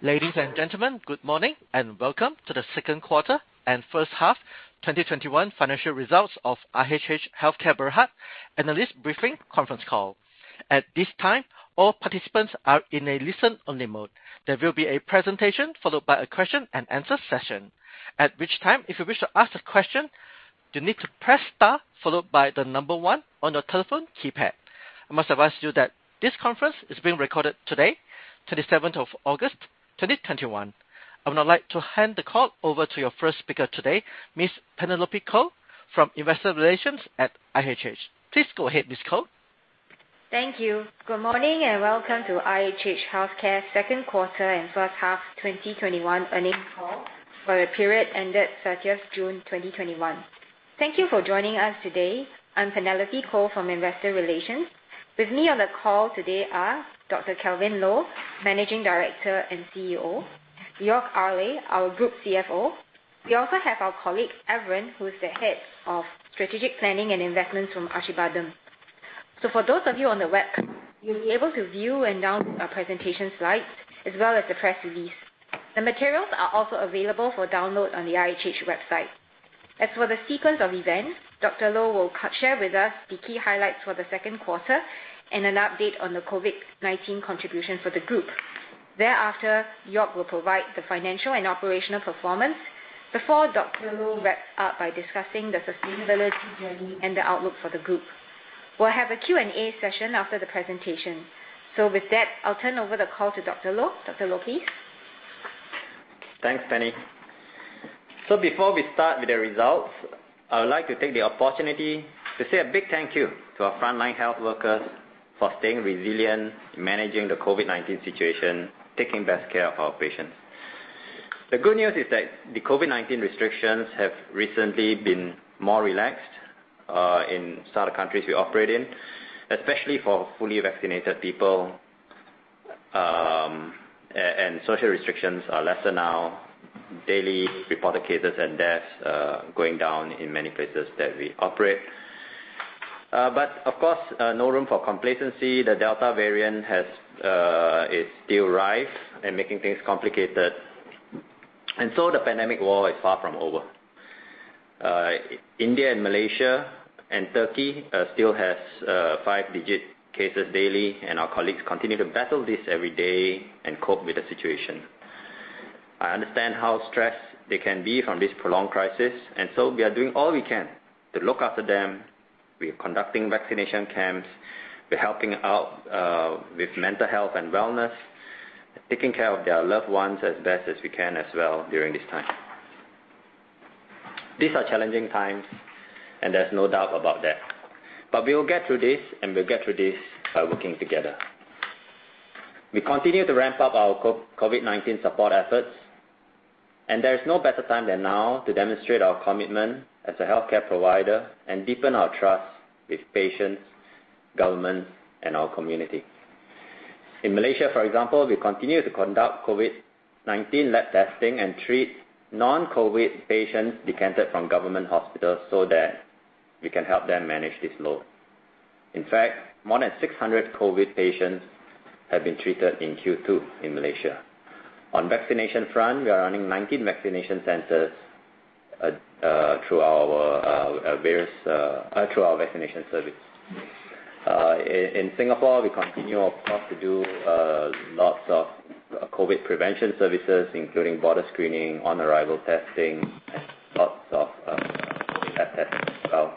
Ladies and gentlemen, good morning, and welcome to the Q2 and first half 2021 financial results of IHH Healthcare Berhad analyst briefing conference call. I would now like to hand the call over to your first speaker today, Ms. Penelope Koh from Investor Relations at IHH. Please go ahead, Ms. Koh. Thank you. Good morning and welcome to IHH Healthcare second quarter and first half 2021 earnings call for the period ended June 30th 2021. Thank you for joining us today. I'm Penelope Koh from Investor Relations. With me on the call today are Dr. Kelvin Loh, Managing Director and CEO, Joerg Ayrle, our Group CFO. We also have our colleague, Evren, who is the Head of Strategic Planning and Investments from Acibadem. For those of you on the web, you'll be able to view and download our presentation slides as well as the press release. The materials are also available for download on the IHH website. As for the sequence of events, Dr. Loh will share with us the key highlights for the second quarter and an update on the COVID-19 contribution for the group. Thereafter, Jörg will provide the financial and operational performance before Dr. Loh wraps up by discussing the sustainability journey and the outlook for the group. We'll have a Q&A session after the presentation. With that, I'll turn over the call to Dr. Loh. Dr. Loh, please. Thanks, Penny. Before we start with the results, I would like to take the opportunity to say a big thank you to our frontline health workers for staying resilient, managing the COVID-19 situation, taking best care of our patients. The good news is that the COVID-19 restrictions have recently been more relaxed, in some of the countries we operate in, especially for fully vaccinated people. Social restrictions are lesser now, daily reported cases and deaths going down in many places that we operate. Of course, no room for complacency. The Delta variant is still rife and making things complicated, and so the pandemic war is far from over. India and Malaysia and Turkey still has five-digit cases daily, and our colleagues continue to battle this every day and cope with the situation. I understand how stressed they can be from this prolonged crisis, and so we are doing all we can to look after them. We are conducting vaccination camps. We're helping out, with mental health and wellness, taking care of their loved ones as best as we can as well during this time. These are challenging times, and there's no doubt about that. We will get through this, and we'll get through this by working together. We continue to ramp up our COVID-19 support efforts, and there is no better time than now to demonstrate our commitment as a healthcare provider and deepen our trust with patients, governments, and our community. In Malaysia, for example, we continue to conduct COVID-19 lab testing and treat non-COVID patients decanted from government hospitals so that we can help them manage this load. In fact, more than 600 COVID patients have been treated in Q2 in Malaysia. On vaccination front, we are running 19 vaccination centers through our vaccination service. In Singapore, we continue, of course, to do lots of COVID prevention services, including border screening, on-arrival testing, and lots of tests as well.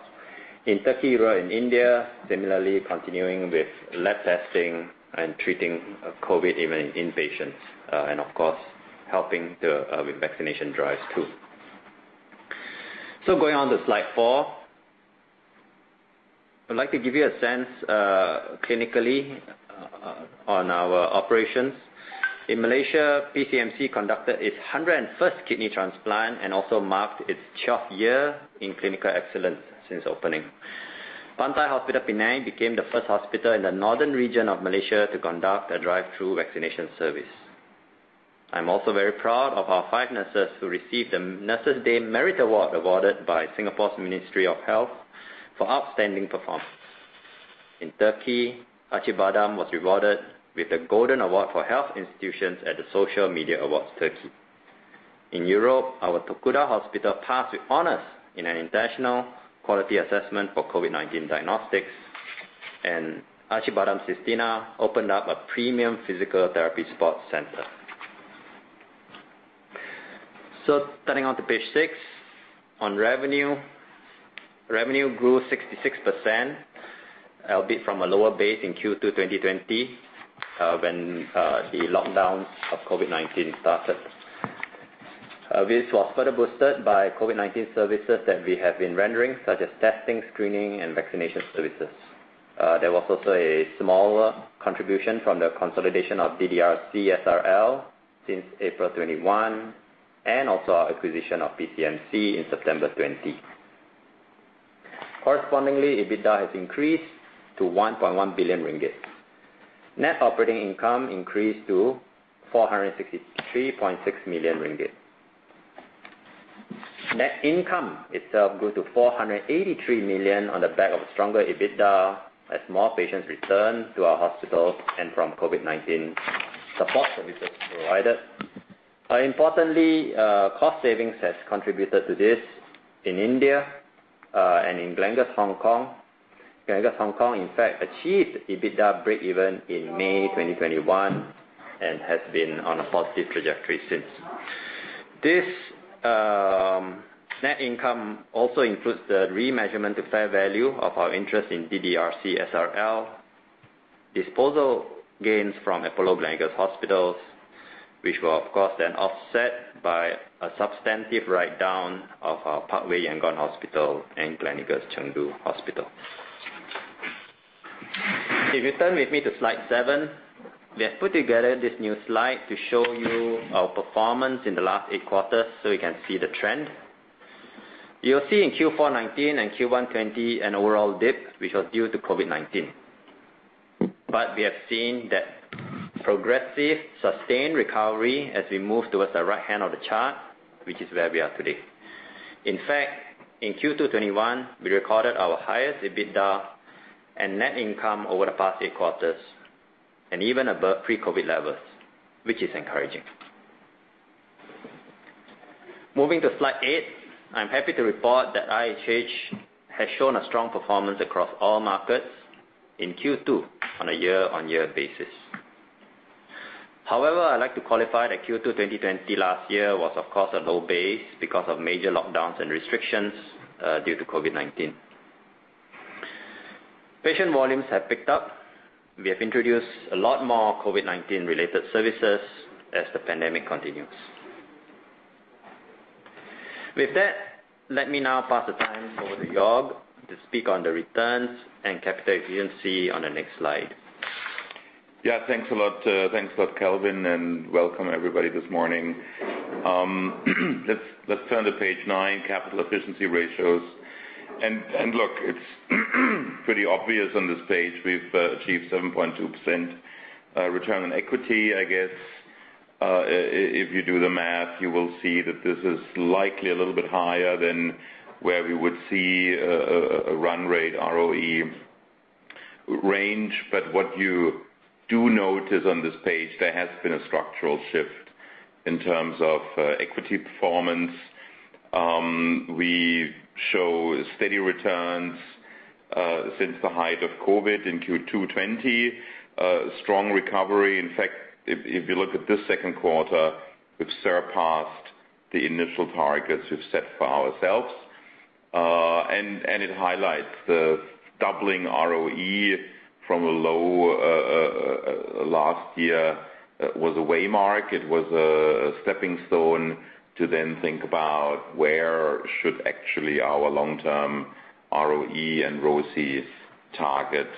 In Turkey, we're in India, similarly continuing with lab testing and treating COVID, even in patients. Of course, helping with vaccination drives, too. Going on to slide four. I'd like to give you a sense, clinically, on our operations. In Malaysia, PCMC conducted its 101st kidney transplant and also marked its 12th year in clinical excellence since opening. Pantai Hospital Penang became the first hospital in the northern region of Malaysia to conduct a drive-through vaccination service. I'm also very proud of our five nurses who received the Nurses Day Merit Award, awarded by Singapore's Ministry of Health for outstanding performance. In Turkey, Acibadem was rewarded with the Golden Award for Health Institutions at the Social Media Awards Turkey. In Europe, our Tokuda Hospital passed with honors in an international quality assessment for COVID-19 diagnostics, and Acibadem Sistina opened up a premium physical therapy sports center. Turning on to page 6, on revenue. Revenue grew 66%, a bit from a lower base in Q2 2020, when the lockdown of COVID-19 started. This was further boosted by COVID-19 services that we have been rendering, such as testing, screening, and vaccination services. There was also a small contribution from the consolidation of DDRC SRL since April 2021 and also our acquisition of PCMC in September 2020. Correspondingly, EBITDA has increased to 1.1 billion ringgit. Net operating income increased to 463.6 million ringgit. Net income itself grew to 483 million on the back of stronger EBITDA as more patients returned to our hospitals and from COVID-19 support services provided. Importantly, cost savings has contributed to this in India, and in Gleneagles Hong Kong. Gleneagles Hong Kong, in fact, achieved EBITDA breakeven in May 2021, and has been on a positive trajectory since. This net income also includes the remeasurement to fair value of our interest in DDRC SRL, disposal gains from Apollo Gleneagles Hospitals, which were, of course, then offset by a substantive write-down of our Parkway Yangon Hospital and Gleneagles Chengdu Hospital. If you turn with me to slide 7, we have put together this new slide to show you our performance in the last eight quarters so we can see the trend. You'll see in Q4 2019 and Q1 2020 an overall dip, which was due to COVID-19. We have seen that progressive, sustained recovery as we move towards the right-hand of the chart, which is where we are today. In fact, in Q2 2021, we recorded our highest EBITDA and net income over the past eight quarters, and even above pre-COVID levels, which is encouraging. Moving to slide eight. I'm happy to report that IHH has shown a strong performance across all markets in Q2 on a year-on-year basis. However, I'd like to qualify that Q2 2020 last year was, of course, a low base because of major lockdowns and restrictions due to COVID-19. Patient volumes have picked up. We have introduced a lot more COVID-19 related services as the pandemic continues. With that, let me now pass the time over to Jörg to speak on the returns and capital efficiency on the next slide. Yeah. Thanks a lot, Kelvin, welcome everybody this morning. Let's turn to page nine, capital efficiency ratios. Look, it's pretty obvious on this page, we've achieved 7.2% return on equity. I guess, if you do the math, you will see that this is likely a little bit higher than where we would see a run rate ROE range. What you do notice on this page, there has been a structural shift in terms of equity performance. We show steady returns since the height of COVID-19 in Q2 2020. Strong recovery. In fact, if you look at this second quarter, we've surpassed the initial targets we've set for ourselves. It highlights the doubling ROE from a low, last year was a way mark. It was a stepping stone to then think about where should actually our long-term ROE and ROCEs targets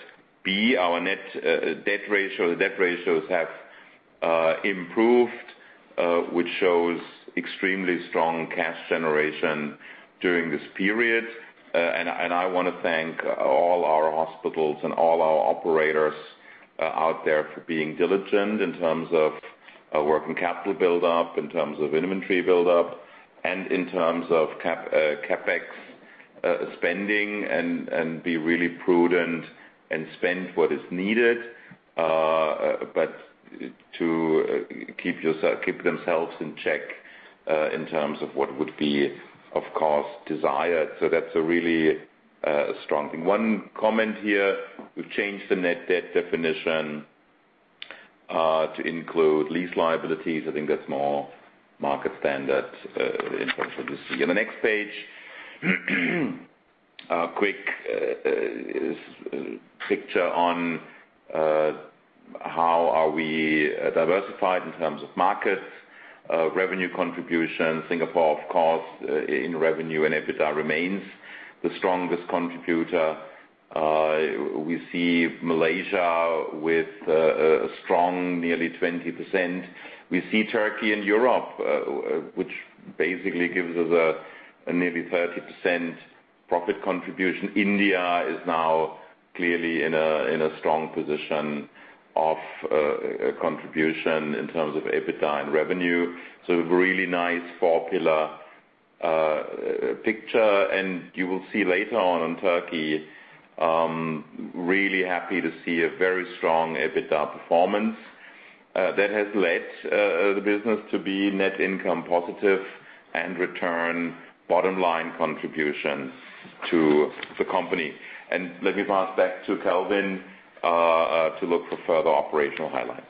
be. Our net debt ratios have improved, which shows extremely strong cash generation during this period. I want to thank all our hospitals and all our operators out there for being diligent in terms of working capital build-up, in terms of inventory build-up, in terms of CapEx spending, be really prudent and spend what is needed, to keep themselves in check, in terms of what would be, of course, desired. That's a really strong thing. One comment here, we've changed the net debt definition to include lease liabilities. I think that's more market standard in terms of this. In the next page, a quick picture on how are we diversified in terms of markets, revenue contribution. Singapore, of course, in revenue and EBITDA remains the strongest contributor. We see Malaysia with a strong nearly 20%. We see Turkey and Europe, which basically gives us a nearly 30% profit contribution. India is now clearly in a strong position of contribution in terms of EBITDA and revenue. Really nice four-pillar picture. You will see later on Turkey, really happy to see a very strong EBITDA performance, that has led the business to be net income positive and return bottom line contributions to the company. Let me pass back to Kelvin to look for further operational highlights.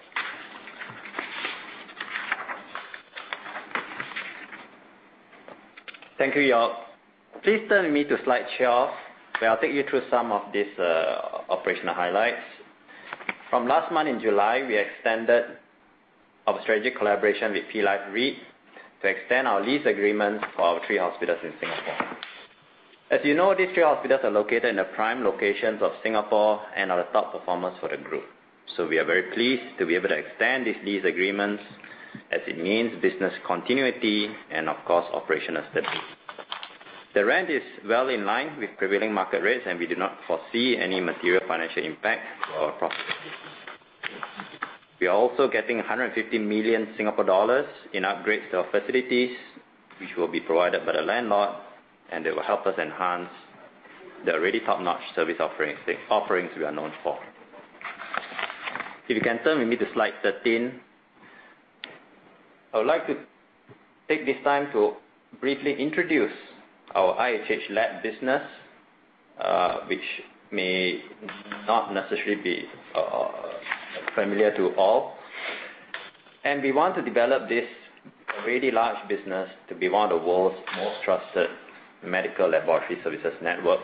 Thank you, Jörg. Please turn with me to slide 12, where I'll take you through some of these operational highlights. From last month in July, we extended our strategic collaboration with Parkway Life REIT to extend our lease agreements for our three hospitals in Singapore. As you know, these three hospitals are located in the prime locations of Singapore and are the top performers for the group. We are very pleased to be able to extend these lease agreements as it means business continuity and, of course, operational stability. The rent is well in line with prevailing market rates, and we do not foresee any material financial impact for our profit. We are also getting 150 million Singapore dollars in upgrades to our facilities, which will be provided by the landlord, and they will help us enhance the already top-notch service offerings we are known for. If you can turn with me to slide 13. I would like to take this time to briefly introduce our IHH Lab business, which may not necessarily be familiar to all. We want to develop this really large business to be one of the world's most trusted medical laboratory services networks.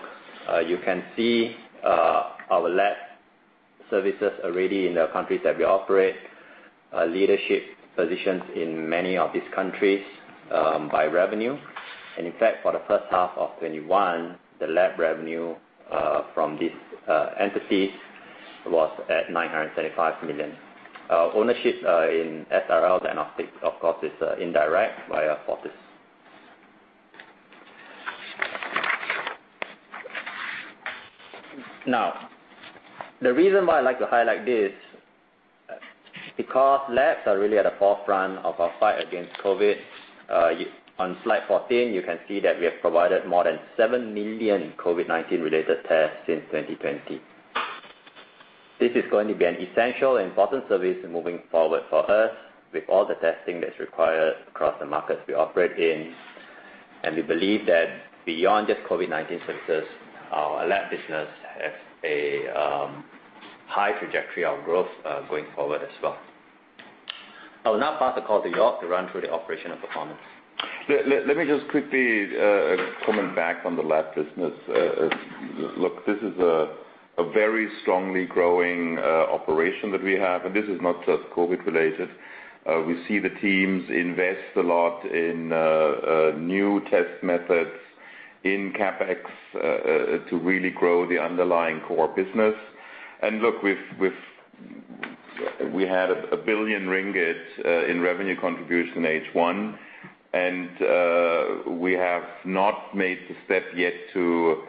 You can see our lab services are already in the countries that we operate, leadership positions in many of these countries by revenue. In fact, for the first half of 2021, the lab revenue from these entities was at 975 million. Ownership in SRL Diagnostics, of course, is indirect via Fortis. The reason why I like to highlight this, because labs are really at the forefront of our fight against COVID-19. On slide 14, you can see that we have provided more than 7 million COVID-19 related tests since 2020. This is going to be an essential and important service moving forward for us with all the testing that's required across the markets we operate in. We believe that beyond just COVID-19 services, our lab business has a high trajectory of growth going forward as well. I will now pass the call to Jorg to run through the operational performance. Let me just quickly comment back on the lab business. Look, this is a very strongly growing operation that we have, this is not just COVID related. We see the teams invest a lot in new test methods in CapEx to really grow the underlying core business. Look, we had 1 billion ringgit in revenue contribution in first half. We have not made the step yet to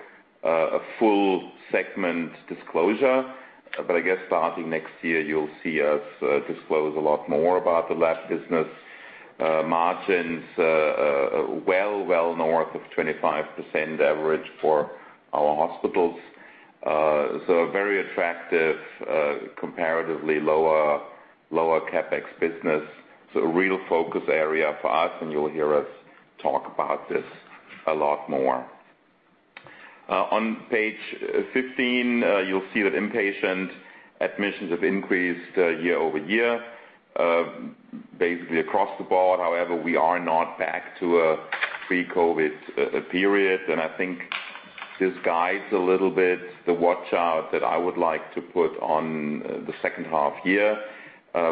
a full segment disclosure. I guess starting next year, you'll see us disclose a lot more about the lab business. Margins well, well north of 25% average for our hospitals. Very attractive, comparatively lower CapEx business. A real focus area for us, and you'll hear us talk about this a lot more. On page 15, you'll see that inpatient admissions have increased year-over-year, basically across the board. However, we are not back to a pre-COVID period. I think this guides a little bit the watch out that I would like to put on the second half year.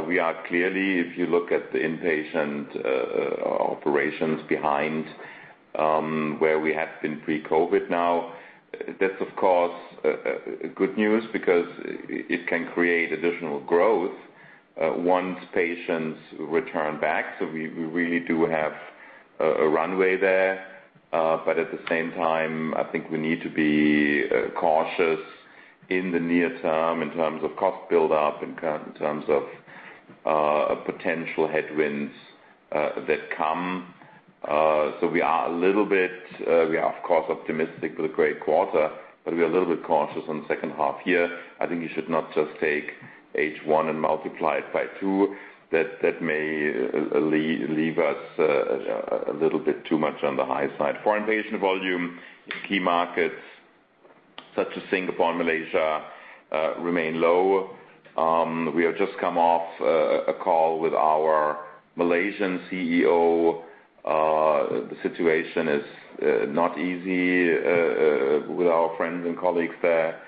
We are clearly, if you look at the inpatient operations behind, where we have been pre-COVID now. That's of course good news because it can create additional growth once patients return back. We really do have a runway there. At the same time, I think we need to be cautious in the near term in terms of cost build up and in terms of potential headwinds that come. We are, of course, optimistic with a great quarter, but we are a little bit cautious on the second half year. I think you should not just take first half and multiply it by two. That may leave us a little bit too much on the high side. Foreign patient volume in key markets such as Singapore and Malaysia remain low. We have just come off a call with our Malaysian CEO. The situation is not easy with our friends and colleagues there.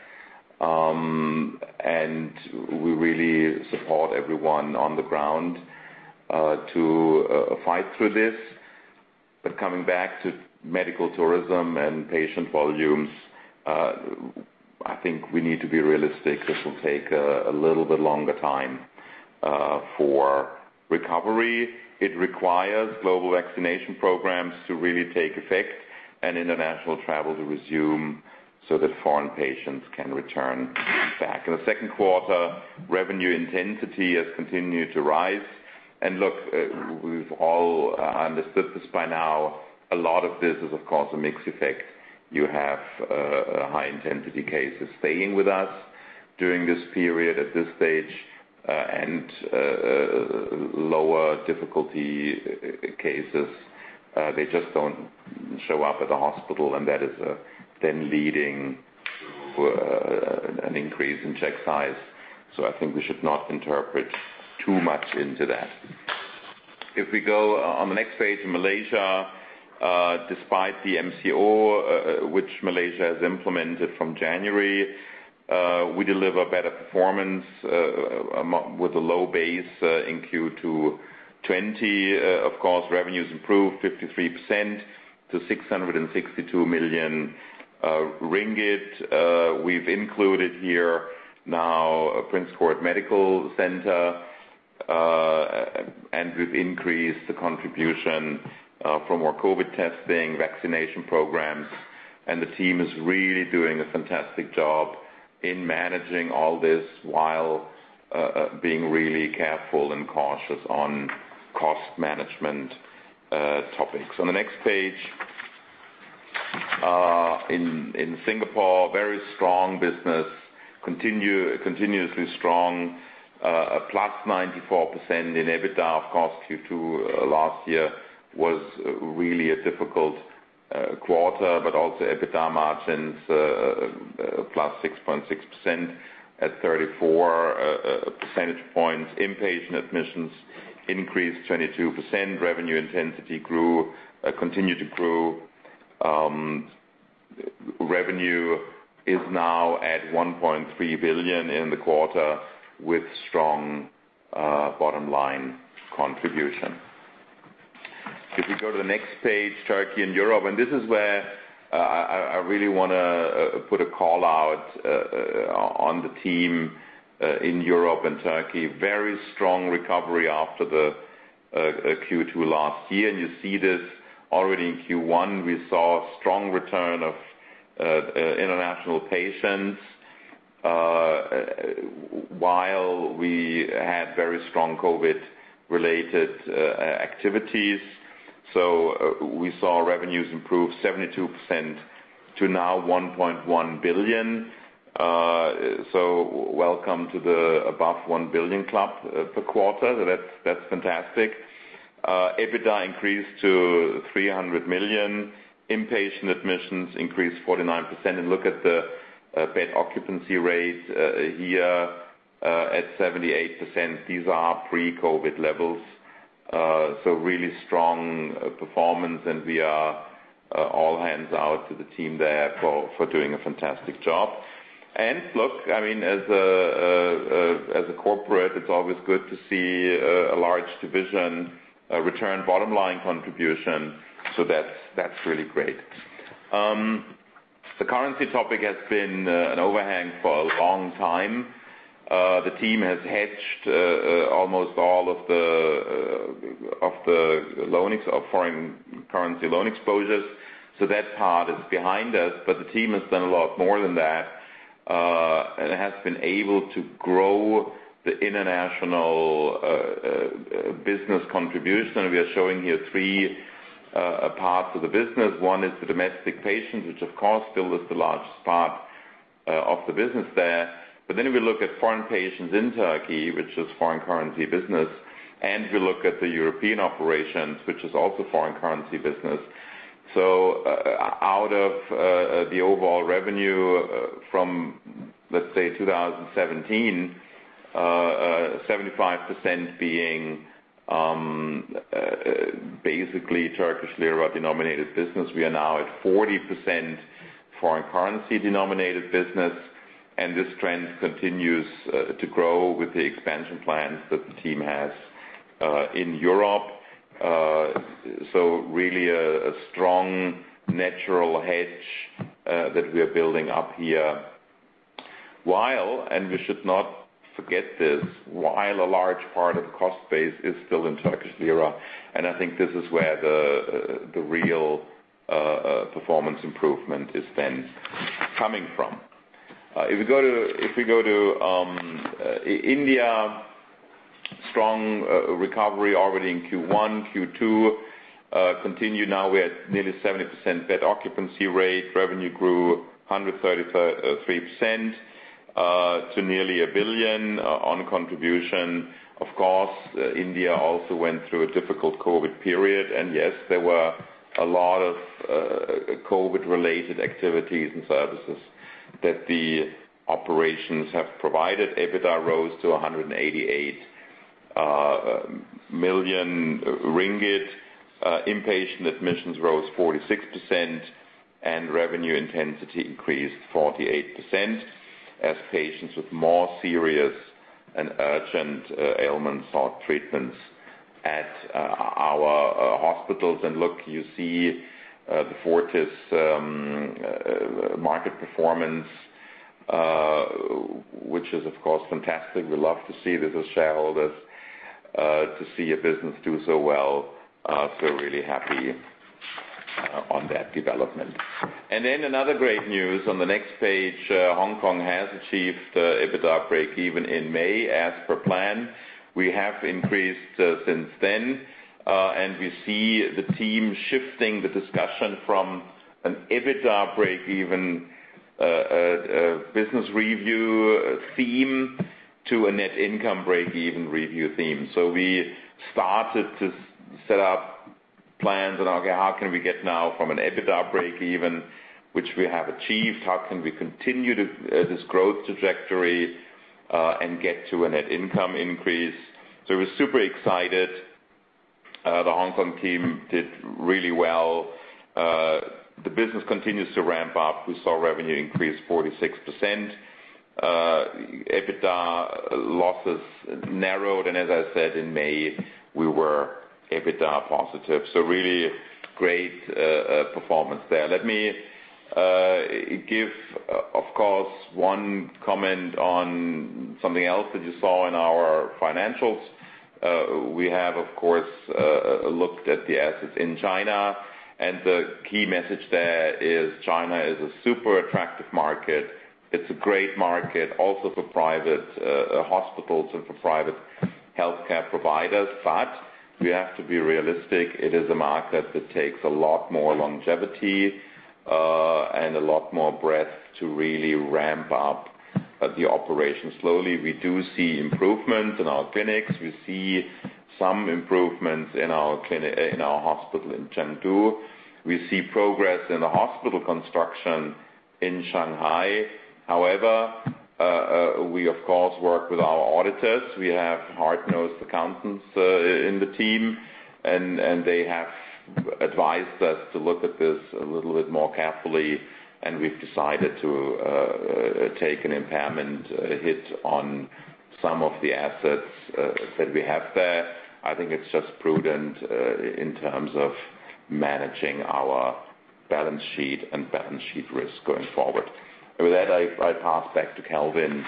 We really support everyone on the ground to fight through this. Coming back to medical tourism and patient volumes, I think we need to be realistic. This will take a little bit longer time for recovery. It requires global vaccination programs to really take effect and international travel to resume so that foreign patients can return back. In the second quarter, revenue intensity has continued to rise. Look, we've all understood this by now. A lot of this is, of course, a mix effect. You have high-intensity cases staying with us during this period at this stage, and lower difficulty cases, they just don't show up at the hospital, and that is then leading to an increase in check size. I think we should not interpret too much into that. If we go on the next page, Malaysia, despite the MCO, which Malaysia has implemented from January, we deliver better performance with a low base in Q2 2020. Of course, revenues improved 53% to 662 million ringgit. We've included here now Prince Court Medical Centre, and we've increased the contribution from our COVID testing, vaccination programs. The team is really doing a fantastic job in managing all this while being really careful and cautious on cost management topics. On the next page, in Singapore, very strong business, continuously strong, a +94% in EBITDA, of course, Q2 last year was really a difficult quarter. Also EBITDA margins, +6.6% at 34 percentage points. Inpatient admissions increased 22%. Revenue intensity continued to grow. Revenue is now at 1.3 billion in the quarter with strong bottom-line contribution. If you go to the next page, Turkey and Europe, and this is where I really want to put a call-out on the team in Europe and Turkey. Very strong recovery after the Q2 last year, and you see this already in Q1. We saw a strong return of international patients, while we had very strong COVID-19-related activities. We saw revenues improve 72% to now 1.1 billion. Welcome to the above 1 billion club per quarter. That's fantastic. EBITDA increased to 300 million. Inpatient admissions increased 49%. Look at the bed occupancy rates here at 78%. These are pre-COVID levels. Really strong performance and we are all hands out to the team there for doing a fantastic job. Look, as a corporate, it's always good to see a large division return bottom line contribution. That's really great. The currency topic has been an overhang for a long time. The team has hedged almost all of the foreign currency loan exposures. That part is behind us, but the team has done a lot more than that, and has been able to grow the international business contribution. We are showing here three parts of the business. One is the domestic patients, which of course still is the largest part of the business there. We look at foreign patients in Turkey, which is foreign currency business, and we look at the European operations, which is also foreign currency business. Out of the overall revenue from, let's say, 2017, 75% being basically Turkish lira denominated business, we are now at 40% foreign currency denominated business, and this trend continues to grow with the expansion plans that the team has in Europe. Really a strong natural hedge that we are building up here. We should not forget this, while a large part of the cost base is still in Turkish lira, and I think this is where the real performance improvement is then coming from. If we go to India, strong recovery already in Q1, Q2 continue now. We're at nearly 70% bed occupancy rate. Revenue grew 133% to nearly 1 billion on contribution. Of course, India also went through a difficult COVID period, and yes, there were a lot of COVID-related activities and services that the operations have provided. EBITDA rose to 188 million ringgit. Inpatient admissions rose 46% and revenue intensity increased 48%, as patients with more serious and urgent ailments sought treatments at our hospitals. Look, you see the Fortis market performance, which is, of course, fantastic. We love to see this as shareholders, to see a business do so well. Really happy on that development. Another great news on the next page, Hong Kong has achieved EBITDA breakeven in May as per plan. We have increased since then, and we see the team shifting the discussion from an EBITDA breakeven business review theme to a net income breakeven review theme. We started to set up plans on how can we get now from an EBITDA breakeven, which we have achieved, how can we continue this growth trajectory, and get to a net income increase. We're super excited. The Hong Kong team did really well. The business continues to ramp up. We saw revenue increase 46%. EBITDA losses narrowed, and as I said, in May, we were EBITDA positive. Really great performance there. Give, of course, one comment on something else that you saw in our financials. We have, of course, looked at the assets in China, and the key message there is China is a super attractive market. It's a great market also for private hospitals and for private healthcare providers. We have to be realistic. It is a market that takes a lot more longevity, and a lot more breadth to really ramp up the operation. Slowly, we do see improvements in our clinics. We see some improvements in our hospital in Chengdu. We see progress in the hospital construction in Shanghai. However, we of course work with our auditors. We have hard-nosed accountants in the team, and they have advised us to look at this a little bit more carefully, and we've decided to take an impairment hit on some of the assets that we have there. I think it's just prudent, in terms of managing our balance sheet and balance sheet risk going forward. With that, I pass back to Kelvin,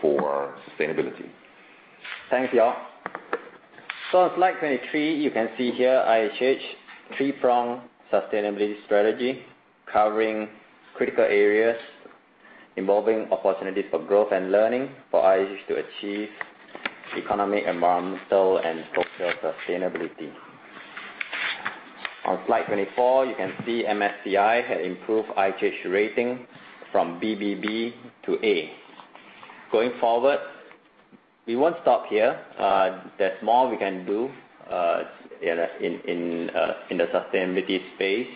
for sustainability. Thanks, Jörg. On slide 23, you can see here IHH three-prong sustainability strategy covering critical areas involving opportunities for growth and learning for IHH to achieve economic, environmental, and social sustainability. On slide 24, you can see MSCI had improved IHH rating from BBB to A. Going forward, we won't stop here. There's more we can do, in the sustainability space.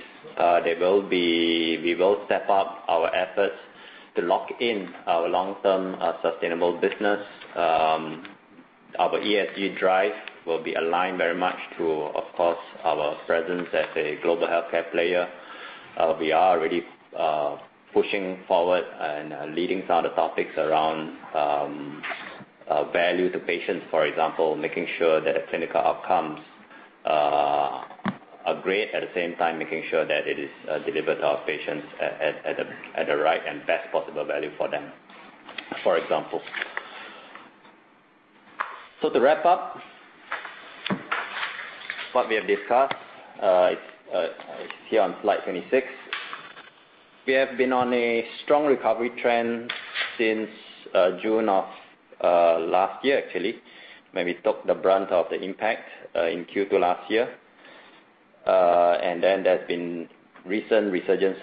We will step up our efforts to lock in our long-term, sustainable business. Our ESG drive will be aligned very much to, of course, our presence as a global healthcare player. We are already pushing forward and leading some of the topics around value to patients, for example, making sure that the clinical outcomes, are great, at the same time, making sure that it is delivered to our patients at the right and best possible value for them, for example. To wrap up what we have discussed, here on slide 26. We have been on a strong recovery trend since June of last year, actually, when we took the brunt of the impact, in Q2 last year. There's been recent resurgent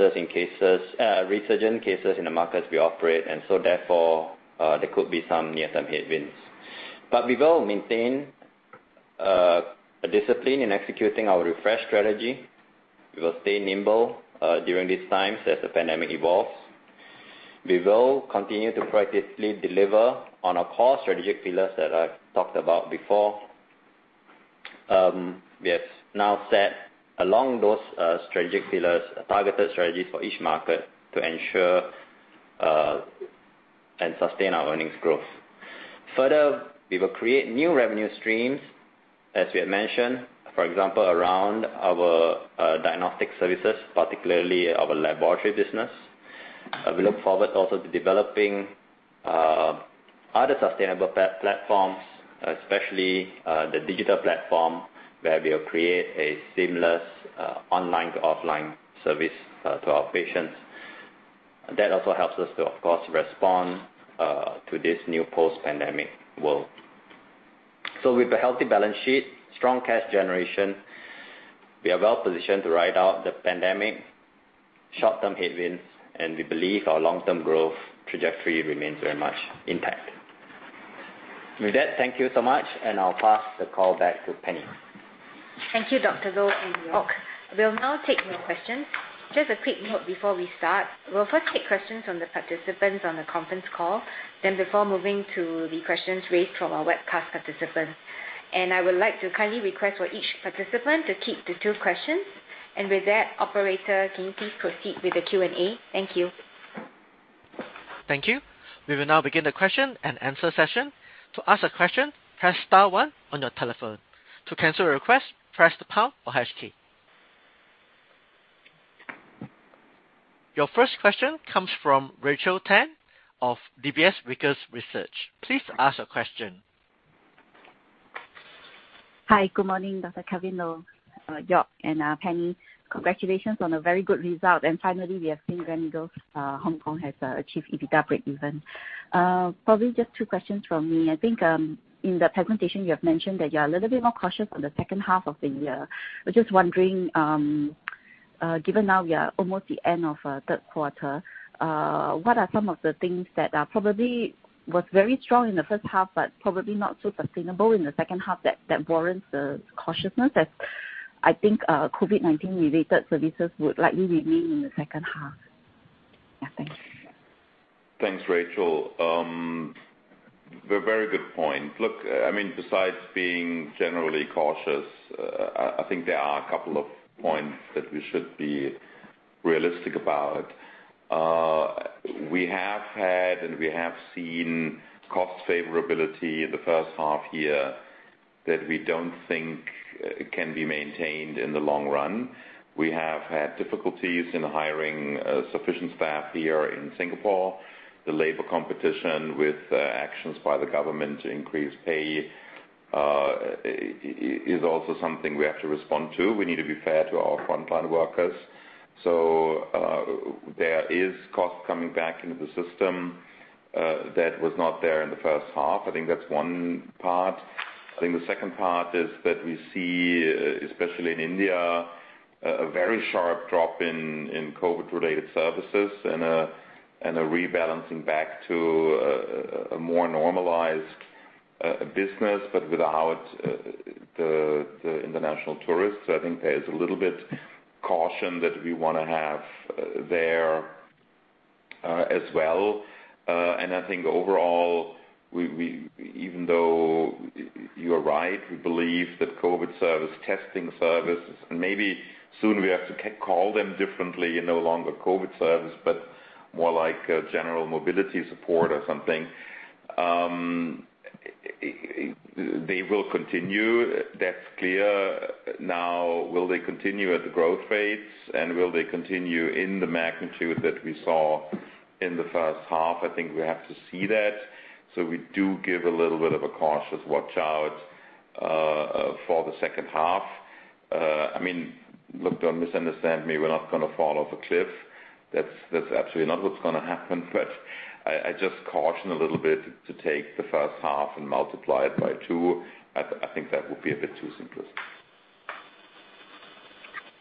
cases in the markets we operate in, therefore, there could be some near-term headwinds. We will maintain a discipline in executing our refresh strategy. We will stay nimble during these times as the pandemic evolves. We will continue to proactively deliver on our core strategic pillars that I've talked about before. We have now set along those strategic pillars targeted strategies for each market to ensure, and sustain our earnings growth. Further, we will create new revenue streams, as we have mentioned, for example, around our diagnostic services, particularly our laboratory business. We look forward also to developing other sustainable platforms, especially the digital platform where we'll create a seamless online to offline service to our patients. That also helps us to, of course, respond to this new post-pandemic world. With a healthy balance sheet, strong cash generation, we are well positioned to ride out the pandemic short-term headwinds, and we believe our long-term growth trajectory remains very much intact. With that, thank you so much, and I'll pass the call back to Penny. Thank you, Dr. Loh and Jörg. We'll now take your questions. Just a quick note before we start. We'll first take questions from the participants on the conference call, then before moving to the questions raised from our webcast participants. I would like to kindly request for each participant to keep to two questions. With that, operator, can you please proceed with the Q&A? Thank you. Thank you. We will now begin the question and answer session. Your first question comes from Rachel Tan of DBS Vickers Securities. Please ask your question. Hi. Good morning, Dr. Kelvin Loh, Jörg, and Penny. Congratulations on a very good result. Finally, we have seen Gleneagles Hong Kong has achieved EBITDA breakeven. Probably just two questions from me. I think in the presentation you have mentioned that you are a little bit more cautious for the second half of the year. I was just wondering, given now we are almost at the end of third quarter, what are some of the things that probably was very strong in the first half, but probably not so sustainable in the second half that warrants the cautiousness, as I think COVID-19 related services would likely remain in the second half. Yeah. Thanks. Thanks, Rachel. Very good point. Look, besides being generally cautious, I think there are a couple of points that we should be realistic about. We have had and we have seen cost favorability in the first half year that we don't think can be maintained in the long run. We have had difficulties in hiring sufficient staff here in Singapore. The labor competition with actions by the government to increase pay is also something we have to respond to. We need to be fair to our frontline workers. There is cost coming back into the system that was not there in the first half. I think that's one part. I think the second part is that we see, especially in India, a very sharp drop in COVID-related services and a rebalancing back to a more normalized business, but without the international tourists. I think there is a little bit caution that we want to have there, as well. I think overall, even though you are right, we believe that COVID service, testing services, and maybe soon we have to call them differently, no longer COVID service, but more like general mobility support or something. They will continue. That's clear. Will they continue at the growth rates, and will they continue in the magnitude that we saw in the first half? I think we have to see that. We do give a little bit of a cautious watch out for the second half. Look, don't misunderstand me. We're not going to fall off a cliff. That's absolutely not what's going to happen. I just caution a little bit to take the first half and multiply it by two. I think that would be a bit too simplistic.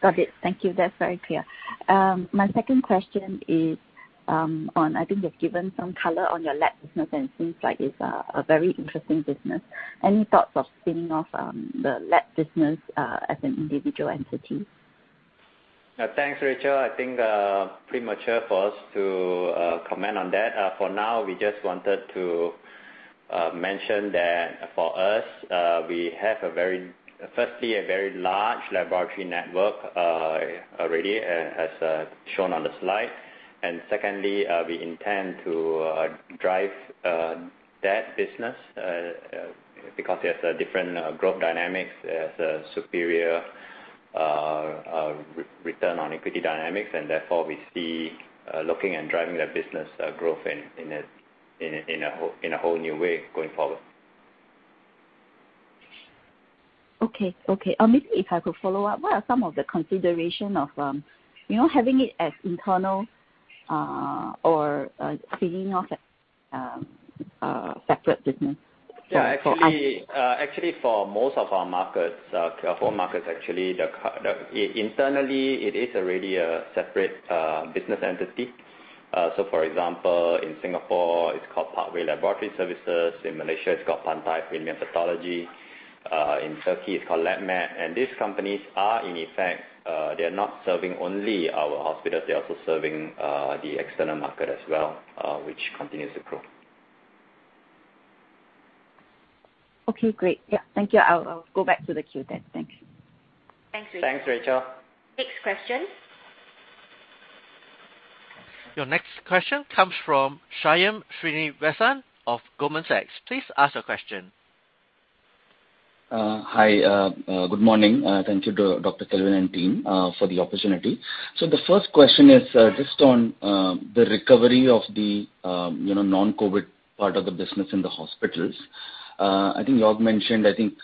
Got it. Thank you. That's very clear. My second question is on, I think you've given some color on your lab business, and it seems like it's a very interesting business. Any thoughts of spinning off the lab business as an individual entity? Thanks, Rachel. I think premature for us to comment on that. For now, we just wanted to mention that for us, we have, firstly, a very large laboratory network already, as shown on the slide. Secondly, we intend to drive that business, because it has a different growth dynamic. It has a superior return on equity dynamics, therefore, we see looking and driving that business growth in a whole new way going forward. Okay. Maybe if I could follow up, what are some of the consideration of having it as internal or spinning off a separate business? Yeah. Actually, for most of our four markets, internally, it is already a separate business entity. For example, in Singapore, it's called Parkway Laboratory Services. In Malaysia, it's called Pantai Premier Pathology. In Turkey, it's called LabMed. These companies are in effect, they're not serving only our hospitals, they're also serving the external market as well, which continues to grow. Okay, great. Yeah. Thank you. I'll go back to the queue then. Thank you. Thanks, Rachel. Next question. Your next question comes from Shyam Srinivasan of Goldman Sachs. Please ask your question. Hi. Good morning. Thank you to Dr. Kelvin and team for the opportunity. The first question is just on the recovery of the non-COVID part of the business in the hospitals. I think Jörg mentioned, I think,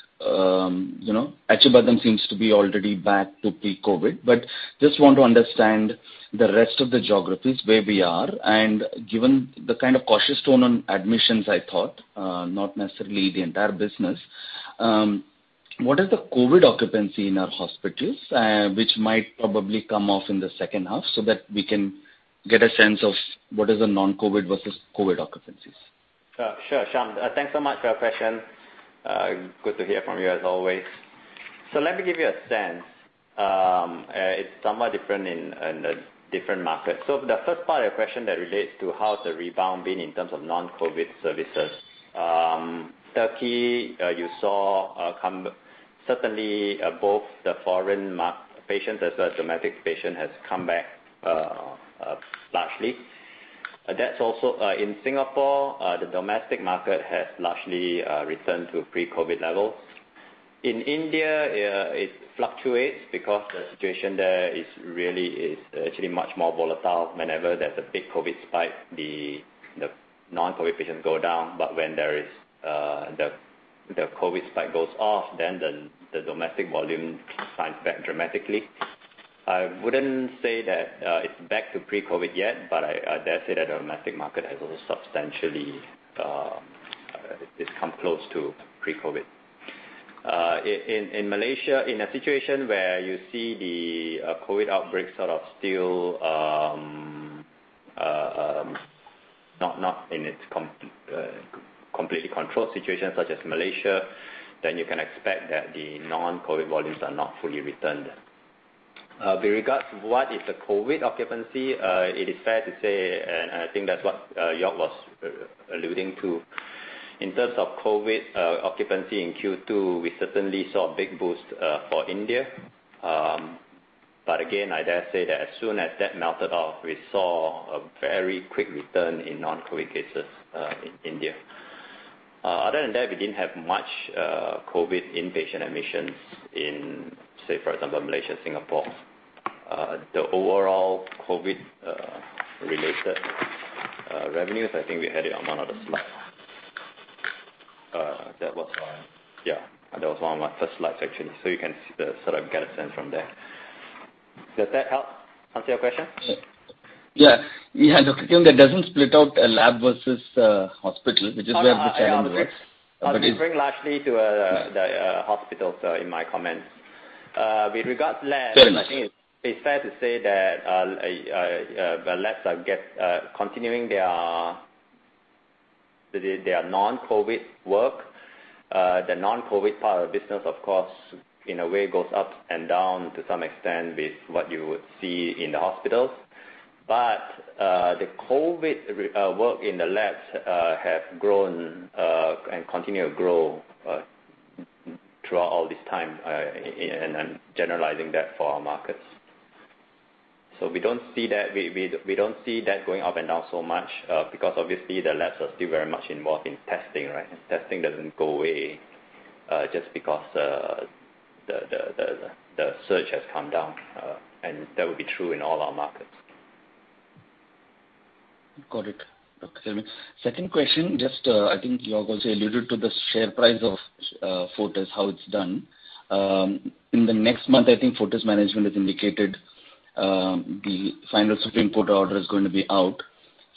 Acibadem seems to be already back to pre-COVID, but just want to understand the rest of the geographies, where we are, and given the kind of cautious tone on admissions, I thought, not necessarily the entire business. What is the COVID occupancy in our hospitals, which might probably come off in the second half so that we can get a sense of what is the non-COVID versus COVID occupancies? Sure, Shyam. Thanks so much for your question. Good to hear from you as always. Let me give you a sense. It's somewhat different in the different markets. The first part of your question that relates to how has the rebound been in terms of non-COVID services. Turkey, you saw certainly both the foreign patients as well as domestic patient has come back largely. In Singapore, the domestic market has largely returned to pre-COVID levels. In India, it fluctuates because the situation there is actually much more volatile. Whenever there's a big COVID spike, the non-COVID patients go down. When the COVID spike goes off, then the domestic volume signs back dramatically. I wouldn't say that it's back to pre-COVID yet, but I dare say that the domestic market has also substantially come close to pre-COVID. In Malaysia, in a situation where you see the COVID outbreak sort of still not in its completely controlled situation such as Malaysia, then you can expect that the non-COVID volumes are not fully returned. With regards to what is the COVID occupancy, it is fair to say, and I think that's what Jörg was alluding to. In terms of COVID occupancy in Q2, we certainly saw a big boost for India. Again, I dare say that as soon as that melted off, we saw a very quick return in non-COVID cases in India. Other than that, we didn't have much COVID inpatient admissions in, say, for example, Malaysia, Singapore. The overall COVID-related revenues, I think we had it on one of the slides. That was one. Yeah. That was one of my first slides, actually. You can sort of get a sense from there. Does that help answer your question? Yeah. Dr. Kelvin, that doesn't split out lab versus hospital, which is where the challenge was. I'll refer largely to the hospitals in my comments. With regards to labs. Very much. it's fair to say that the labs are continuing their non-COVID work. The non-COVID part of the business, of course, in a way, goes up and down to some extent with what you would see in the hospitals. The COVID work in the labs have grown and continue to grow throughout all this time, and I'm generalizing that for our markets. We don't see that going up and down so much because obviously the labs are still very much involved in testing, right? Testing doesn't go away just because the search has come down, and that would be true in all our markets. Got it. Second question, just I think you also alluded to the share price of Fortis, how it's done. In the next month, I think Fortis management has indicated the final Supreme Court order is going to be out.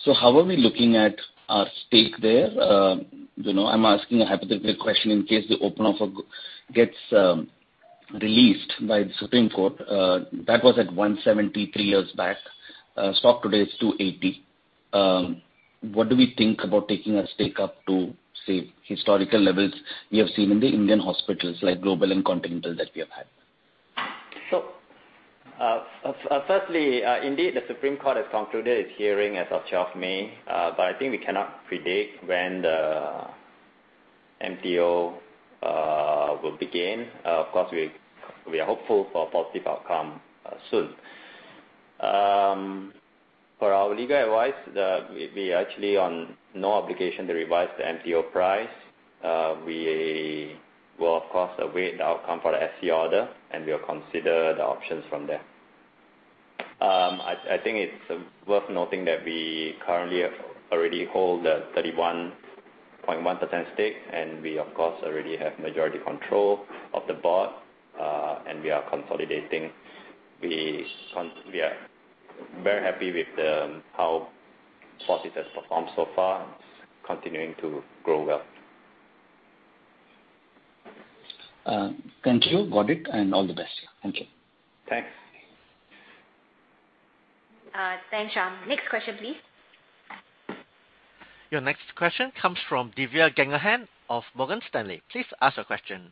How are we looking at our stake there? I'm asking a hypothetical question in case the open offer gets released by the Supreme Court. That was at 173 years back. Stock today is 280. What do we think about taking a stake up to, say, historical levels we have seen in the Indian hospitals like Global and Continental that we have had? Firstly, indeed, the Supreme Court has concluded its hearing as of 12th May. I think we cannot predict when the MTO will begin. Of course, we are hopeful for a positive outcome soon. For our legal advice, we actually on no obligation to revise the MTO price. We will, of course, await the outcome for the SC order. We will consider the options from there. I think it's worth noting that we currently already hold a 31.1% stake. We, of course, already have majority control of the board. We are consolidating. We are very happy with how Fortis it has performed so far and it's continuing to grow well. Thank you. Got it, and all the best. Thank you. Thanks. Thanks, Shyam. Next question, please. Your next question comes from Divya Gangani of Morgan Stanley. Please ask your question.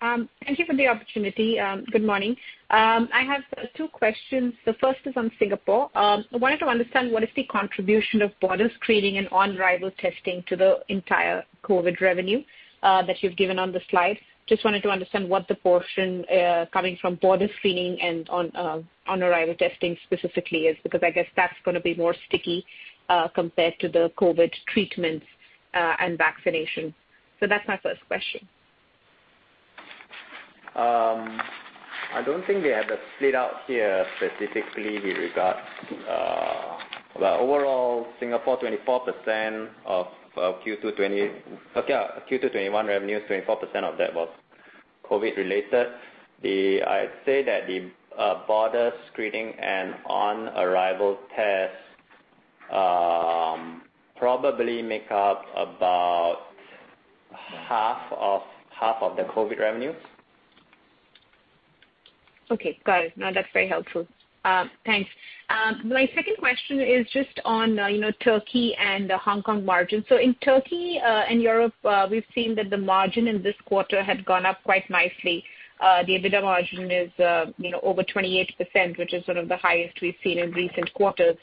Thank you for the opportunity. Good morning. I have two questions. The first is on Singapore. I wanted to understand what is the contribution of border screening and on-arrival testing to the entire COVID revenue that you've given on the slide? Just wanted to understand what the portion coming from border screening and on-arrival testing specifically is, because I guess that's going to be more sticky compared to the COVID treatments and vaccinations. That's my first question. I don't think they have it split out here specifically with regards. Well, overall, Singapore, Q2 2021 revenues, 24% of that was COVID related. I'd say that the border screening and on-arrival tests probably make up about half of the COVID revenue. Okay, got it. No, that's very helpful. Thanks. My second question is just on Turkey and the Hong Kong margin. In Turkey and Europe, we've seen that the margin in this quarter had gone up quite nicely. The EBITDA margin is over 28%, which is one of the highest we've seen in recent quarters.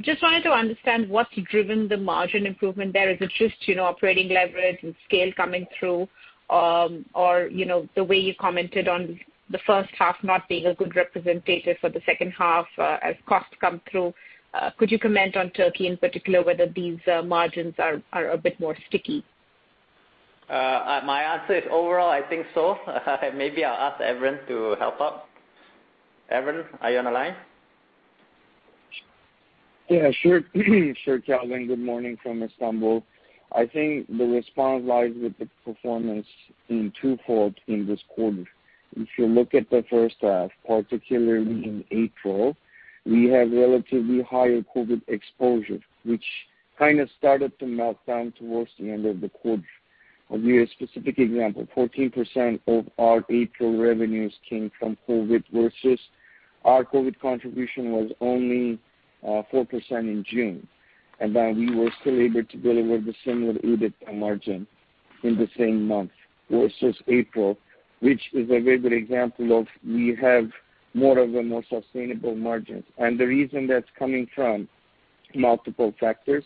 Just wanted to understand what's driven the margin improvement there. Is it just operating leverage and scale coming through or the way you commented on the first half not being a good representative for the second half as costs come through? Could you comment on Turkey in particular, whether these margins are a bit more sticky? My answer is overall, I think so. Maybe I'll ask Evren to help out. Evren, are you on the line? Yeah, sure. Sure, Kelvin, good morning from Istanbul. I think the response lies with the performance in twofold in this quarter. If you look at the first half, particularly in April, we had relatively higher COVID exposure, which kind of started to melt down towards the end of the quarter. I will give you a specific example. 14% of our April revenues came from COVID versus our COVID contribution was only 4% in June, and then we were still able to deliver the similar EBIT margin. In the same month versus April, which is a very good example of we have more of a more sustainable margin. The reason that's coming from multiple factors,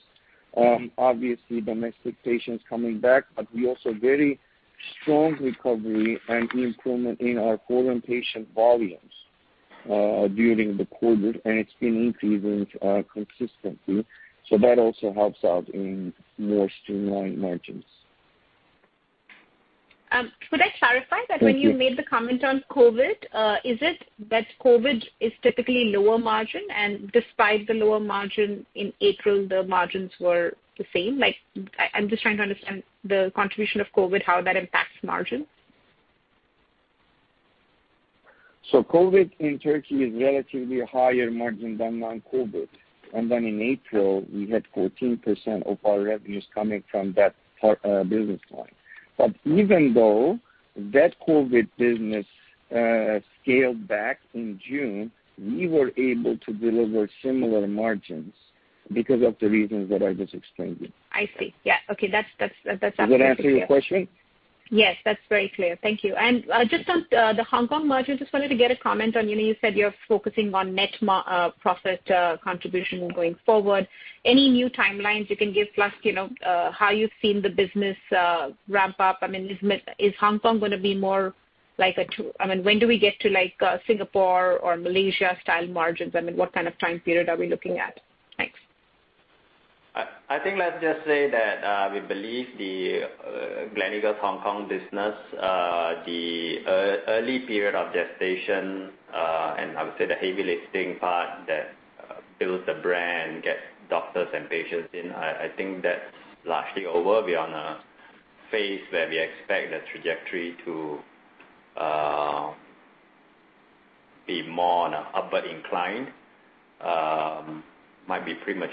obviously domestic patients coming back, but we also very strong recovery and improvement in our foreign patient volumes during the quarter, and it's been increasing consistently. That also helps out in more streamlined margins. Could I clarify. Thank you. When you made the comment on COVID, is it that COVID is typically lower margin, and despite the lower margin in April, the margins were the same? I'm just trying to understand the contribution of COVID, how that impacts margin. COVID in Turkey is relatively higher margin than non-COVID. In April, we had 14% of our revenues coming from that business line. Even though that COVID business scaled back in June, we were able to deliver similar margins because of the reasons that I just explained to you. I see. Yeah. Okay. That's absolutely clear. Does that answer your question? Yes, that's very clear. Thank you. Just on the Hong Kong margin, just wanted to get a comment on, you said you're focusing on net profit contribution going forward. Any new timelines you can give, plus how you've seen the business ramp up? Is Hong Kong going to be more like a When do we get to Singapore or Malaysia-style margins? What kind of time period are we looking at? Thanks. I think let's just say that, we believe the Gleneagles Hong Kong business, the early period of gestation, and I would say the heavy lifting part that builds the brand, gets doctors and patients in, I think that's largely over. We are on a phase where we expect the trajectory to be more on a upward incline.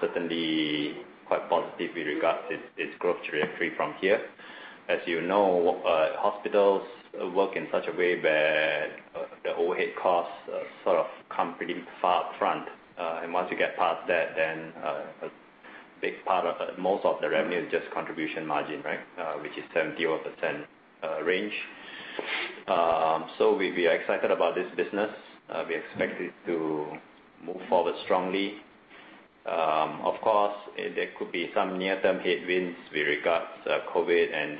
Certainly quite positive with regards to its growth trajectory from here. As you know, hospitals work in such a way where the overhead costs sort of come pretty far up front. Once you get past that, then most of the revenue is just contribution margin, right, which is 30% or 40% range. We are excited about this business. We expect it to move forward strongly. Of course, there could be some near-term headwinds with regards to COVID and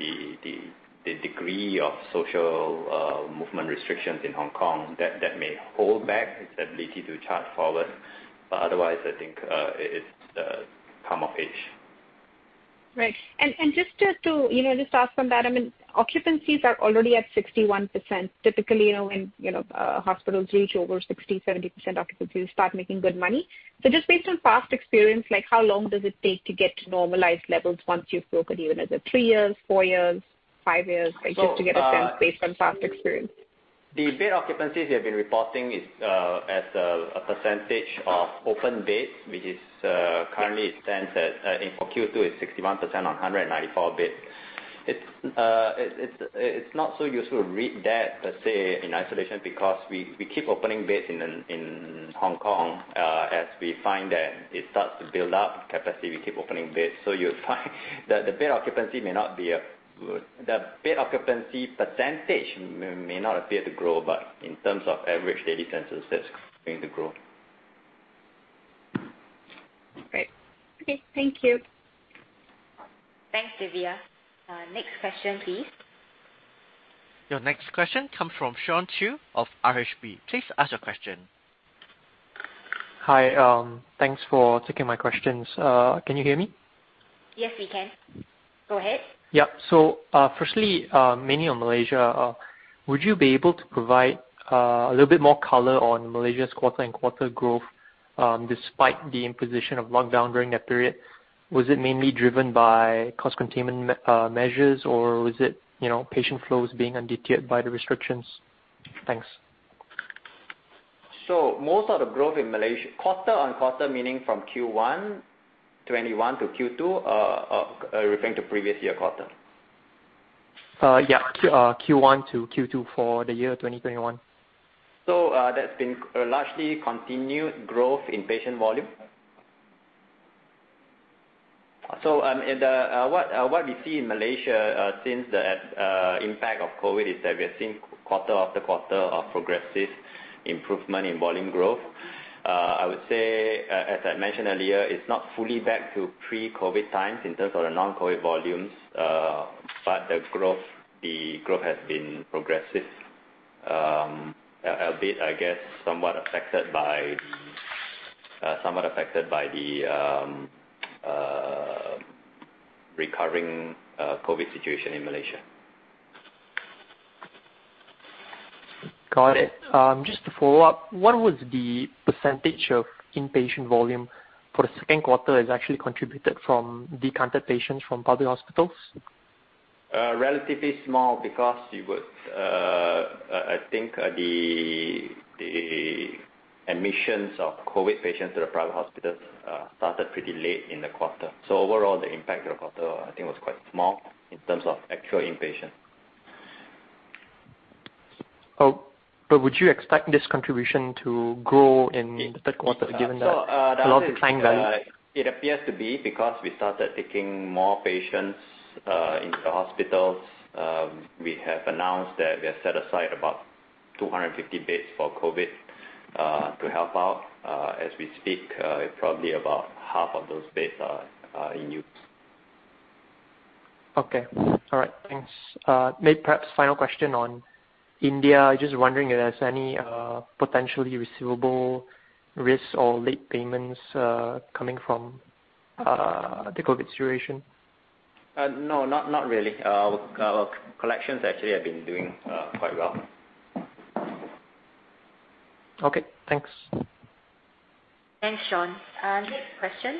the degree of social movement restrictions in Hong Kong that may hold back its ability to chart forward. Otherwise, I think, it's come of age. Right. Just to ask on that, occupancies are already at 61%. Typically, when hospitals reach over 60%, 70% occupancy, they start making good money. So just based on past experience, how long does it take to get to normalized levels once you've broken even? Is it three years, four years, five years? Just to get a sense based on past experience. The bed occupancies we have been reporting as a percentage of open beds, which is currently stands at, I think for Q2, it's 61% on 194 beds. It's not so useful to read that per se in isolation because we keep opening beds in Hong Kong. As we find that it starts to build up capacity, we keep opening beds. You'll find that the bed occupancy percentage may not appear to grow, but in terms of average daily census, that's going to grow. Great. Okay, thank you. Thanks, Divya. Next question, please. Your next question comes from Sean Chu of RHB. Please ask your question. Hi, thanks for taking my questions. Can you hear me? Yes, we can. Go ahead. Yeah. Firstly, mainly on Malaysia. Would you be able to provide a little bit more color on Malaysia's quarter on quarter growth, despite the imposition of lockdown during that period? Was it mainly driven by cost containment measures or was it patient flows being undeterred by the restrictions? Thanks. Most of the growth in Malaysia, quarter-on-quarter meaning from Q1 2021 to Q2, or are you referring to previous-year quarter? Yeah. Q1 to Q2 for the year 2021. That's been largely continued growth in patient volume. What we see in Malaysia, since the impact of COVID, is that we are seeing quarter after quarter of progressive improvement in volume growth. I would say, as I mentioned earlier, it's not fully back to pre-COVID times in terms of the non-COVID volumes. The growth has been progressive, a bit, I guess, somewhat affected by the recurring COVID situation in Malaysia. Got it. Just to follow up, what was the percentage of inpatient volume for the second quarter is actually contributed from decanted patients from public hospitals? Relatively small because I think the admissions of COVID patients to the private hospitals started pretty late in the quarter. Overall, the impact to the quarter, I think, was quite small in terms of actual inpatient. Would you expect this contribution to grow in the Q3, given the declining value? It appears to be because we started taking more patients into the hospitals. We have announced that we have set aside about 250 beds for COVID to help out. As we speak, probably about half of those beds are in use. Okay. All right. Thanks. Maybe perhaps final question on India. Just wondering if there's any potentially receivable risks or late payments coming from the COVID situation? No, not really. Our collections actually have been doing quite well. Okay, thanks. Thanks, Sean. Next question.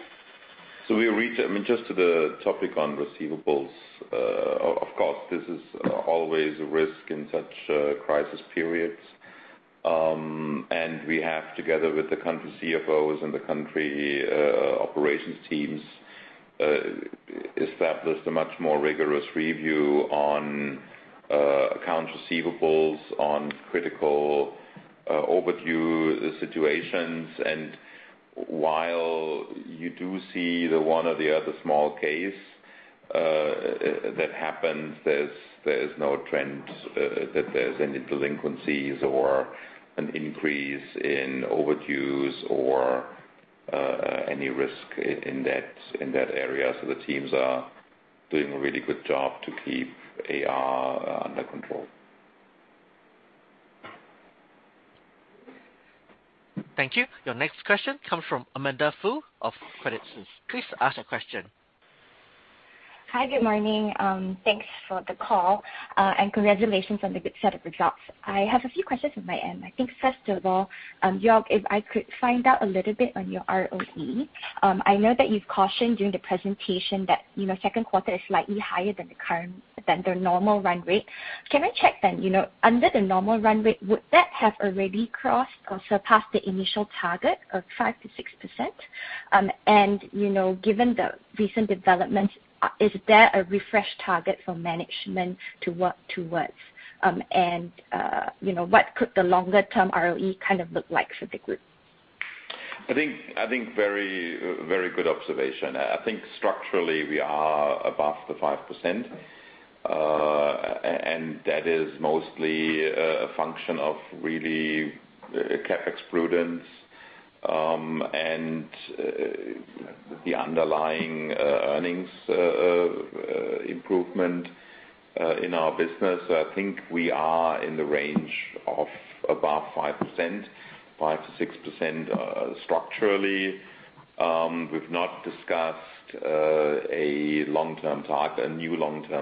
Just to the topic on receivables, of course, this is always a risk in such crisis periods. We have, together with the country CFOs and the country operations teams, established a much more rigorous review on accounts receivables, on critical overdue situations. While you do see the one or the other small case that happens, there's no trend that there's any delinquencies or an increase in overdues or any risk in that area. The teams are doing a really good job to keep AR under control. Thank you. Your next question comes from Amanda Foo of Credit Suisse. Please ask your question. Hi. Good morning. Thanks for the call, and congratulations on the good set of results. I have a few questions on my end. I think, first of all, Jörg, if I could find out a little bit on your ROE. I know that you've cautioned during the presentation that Q2 is slightly higher than the normal run rate. Can I check, under the normal run rate, would that have already crossed or surpassed the initial target of five-six percent? Given the recent developments, is there a refreshed target for management to work towards? What could the longer-term ROE look like for the group? I think very good observation. I think structurally we are above the 5 percent, and that is mostly a function of really CapEx prudence, and the underlying earnings improvement in our business. I think we are in the range of above five percent, five-six percent structurally. We've not discussed a new long-term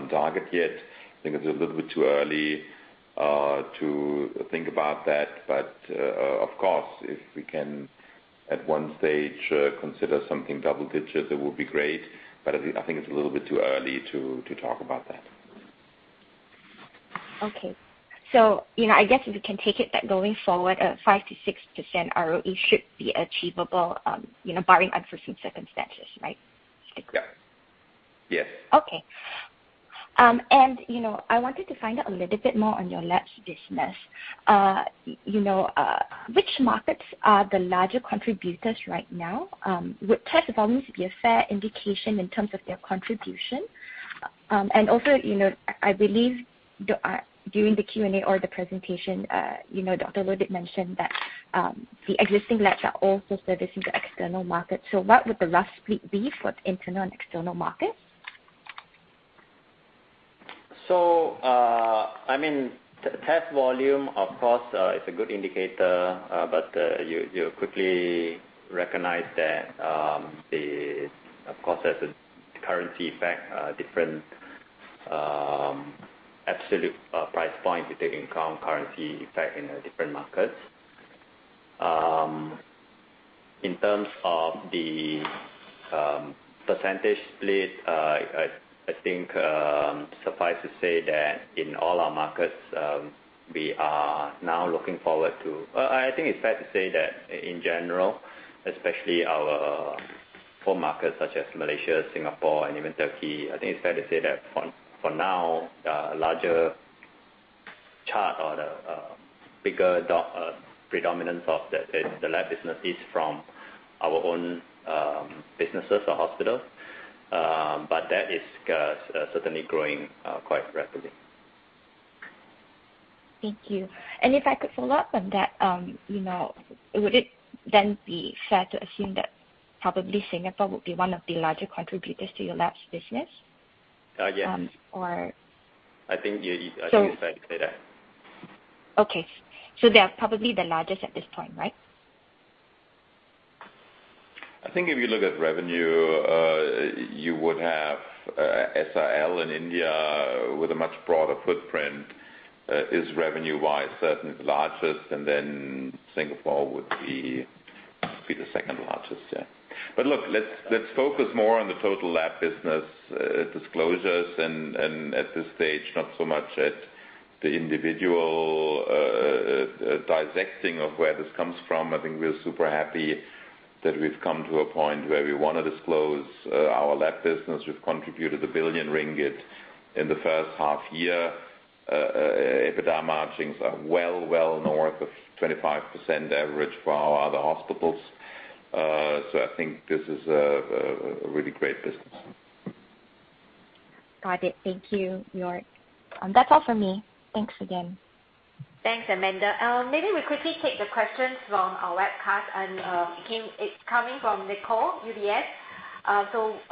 target yet. I think it's a little bit too early to think about that. Of course, if we can, at one stage, consider something double digits, it would be great. I think it's a little bit too early to talk about that. Okay. I guess we can take it that going forward, a five-six percent ROE should be achievable barring unforeseen circumstances, right? Yeah. Yes. Okay. I wanted to find out a little bit more on your labs business. Which markets are the larger contributors right now? Would test volumes be a fair indication in terms of their contribution? I believe during the Q&A or the presentation, Dr. Loh did mention that the existing labs are also servicing the external market. What would the rough split be for the internal and external markets? Test volume, of course, is a good indicator. You quickly recognize that, of course, there's a currency effect, a different absolute price point if you take into account currency effect in the different markets. In terms of the percentage split, it's fair to say that in general, especially our core markets such as Malaysia, Singapore, and even Turkey, for now, the larger chart or the bigger predominance of the lab business is from our own businesses or hospitals. That is certainly growing quite rapidly. Thank you. If I could follow up on that, would it then be fair to assume that probably Singapore would be one of the larger contributors to your labs business? Yes. Or- I think it is fair to say that. Okay. They are probably the largest at this point, right? I think if you look at revenue, you would have SRL in India with a much broader footprint, is revenue-wise certainly the largest, and then Singapore would be the second largest, yeah. Look, let's focus more on the total lab business disclosures and at this stage, not so much at the individual dissecting of where this comes from, I think we're super happy that we've come to a point where we want to disclose our lab business. We've contributed 1 billion ringgit in the first half year. EBITDA margins are well north of 25% average for our other hospitals. I think this is a really great business. Got it. Thank you, Jörg. That's all from me. Thanks again. Thanks, Amanda. We quickly take the questions from our webcast. It's coming from Nicole, UBS.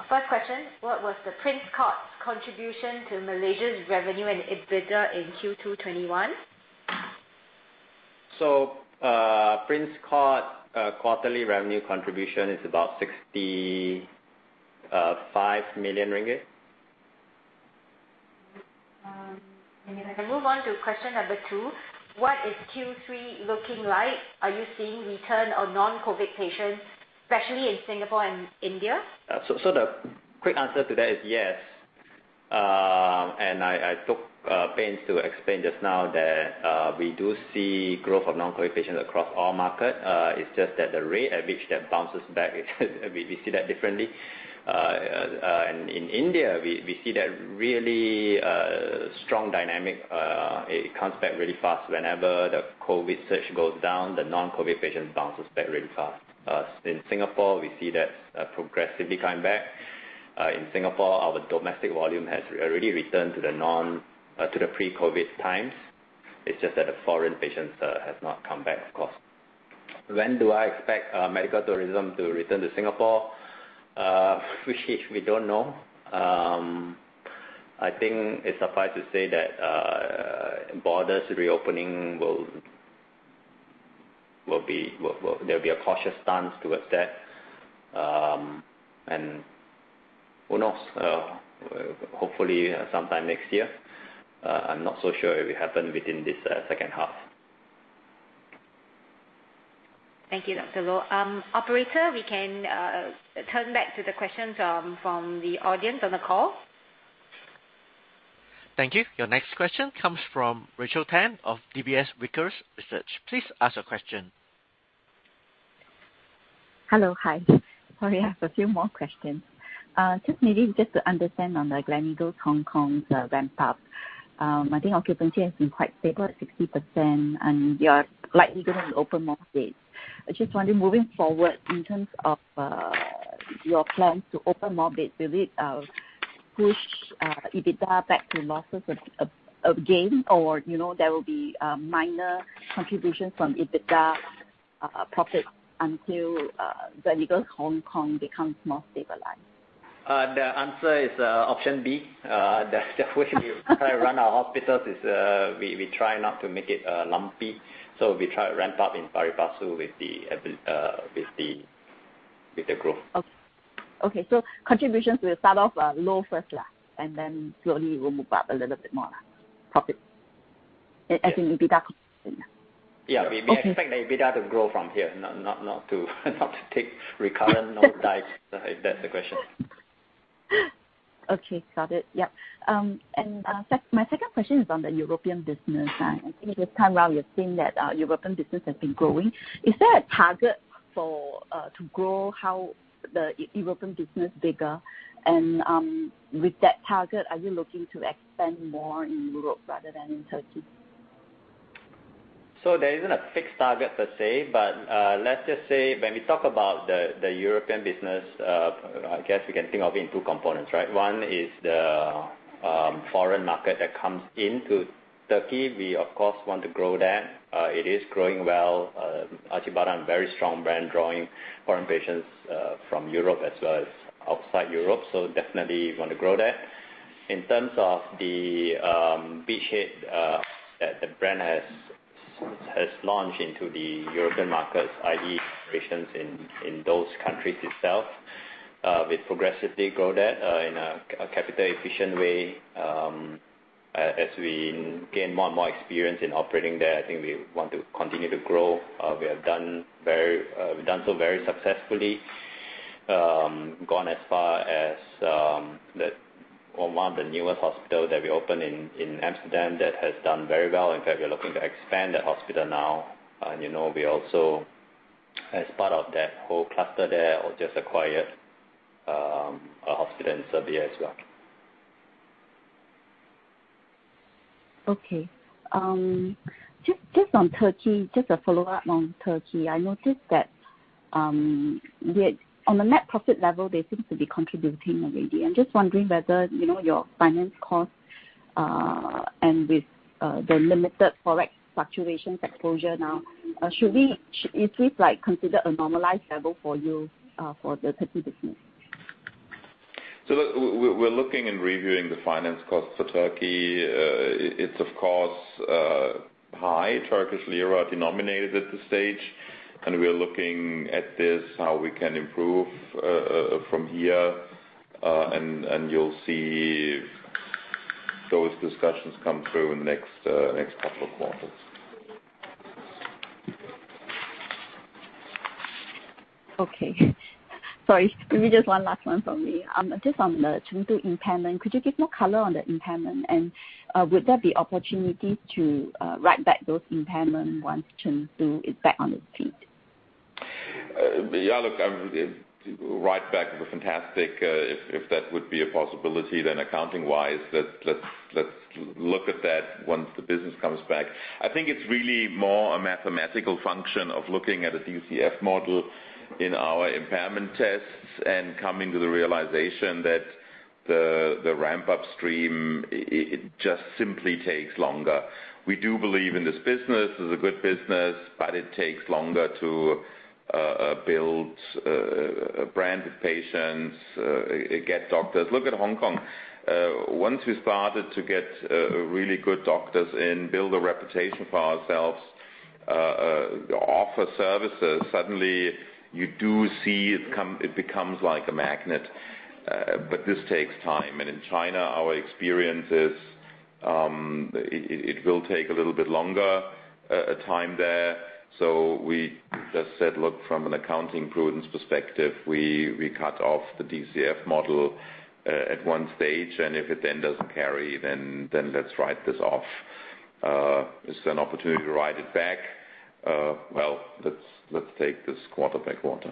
First question, what was the Prince Court's contribution to Malaysia's revenue and EBITDA in Q2 2021? Prince Court quarterly revenue contribution is about 65 million ringgit. Then I move on to question number two. What is Q3 looking like? Are you seeing return of non-COVID patients, especially in Singapore and India? The quick answer to that is yes. I took pains to explain just now that we do see growth of non-COVID patients across all markets. It's just that the rate at which that bounces back we see that differently. In India, we see that really strong dynamic. It comes back really fast. Whenever the COVID surge goes down, the non-COVID patient bounces back really fast. In Singapore, we see that progressively coming back. In Singapore, our domestic volume has already returned to the pre-COVID times. It's just that the foreign patients have not come back, of course. When do I expect medical tourism to return to Singapore? We don't know. I think it's suffice to say that, borders reopening, there'll be a cautious stance towards that. Who knows? Hopefully sometime next year. I'm not so sure it will happen within this second half. Thank you, Dr. Loh. Operator, we can turn back to the questions from the audience on the call. Thank you. Your next question comes from Rachel Tan of DBS Vickers Securities. Please ask your question. Hello. Hi. Sorry, I have a few more questions. Just maybe just to understand on the Gleneagles Hong Kong ramp up. I think occupancy has been quite stable at 60%, and you are likely going to open more beds. I just wonder, moving forward in terms of your plans to open more beds, will it push EBITDA back to losses again, or there will be minor contributions from EBITDA profits until Gleneagles Hong Kong becomes more stabilized? The answer is option B. The way we run our hospitals is, we try not to make it lumpy. We try to ramp up in pari passu with the growth. Okay. Contributions will start off low first, and then slowly will move up a little bit more. Profit. As in EBITDA. Yeah. We expect the EBITDA to grow from here, not to take recurrence nor dive, if that's the question. Okay, got it. Yep. My second question is on the European business. I think this time around you're seeing that European business has been growing. Is there a target to grow the European business bigger? With that target, are you looking to expand more in Europe rather than in Turkey? There isn't a fixed target per se, but let's just say, when we talk about the European business, I guess we can think of it in two components, right? One is the foreign market that comes into Turkey. We of course want to grow that. It is growing well. Acibadem, very strong brand, drawing foreign patients from Europe as well as outside Europe. Definitely want to grow that. In terms of the beachhead that the brand has launched into the European markets, i.e., patients in those countries itself, we progressively grow that in a capital efficient way. As we gain more and more experience in operating there, I think we want to continue to grow. We've done so very successfully, gone as far as Oma, the newest hospital that we opened in Amsterdam, that has done very well. In fact, we are looking to expand that hospital now. We also, as part of that whole cluster there, have just acquired a hospital in Serbia as well. Okay. Just a follow-up on Turkey. I noticed that on the net profit level, they seem to be contributing already. I'm just wondering whether your finance cost, and with the limited Forex fluctuations exposure now, is this considered a normalized level for you for the Turkey business? We're looking and reviewing the finance costs for Turkey. It's of course high. Turkish lira denominated at this stage. We are looking at this, how we can improve from here. You'll see those discussions come through in the next couple of quarters. Okay. Sorry, maybe just one last one from me. Just on the Chengdu impairment, could you give more color on the impairment? Would there be opportunity to write back those impairment once Chengdu is back on its feet? Yeah, look, write back would be fantastic, if that would be a possibility, then accounting wise, let's look at that once the business comes back. I think it's really more a mathematical function of looking at a DCF model in our impairment tests and coming to the realization that the ramp-up stream, it just simply takes longer. We do believe in this business. It's a good business, but it takes longer to build branded patients, get doctors. Look at Hong Kong. Once we started to get really good doctors in, build a reputation for ourselves, offer services, suddenly you do see it becomes like a magnet. This takes time. In China, our experience is, it will take a little bit longer time there. We just said, "Look, from an accounting prudence perspective, we cut off the DCF model at one stage, and if it then doesn't carry, then let's write this off." Is there an opportunity to write it back? Let's take this quarter by quarter.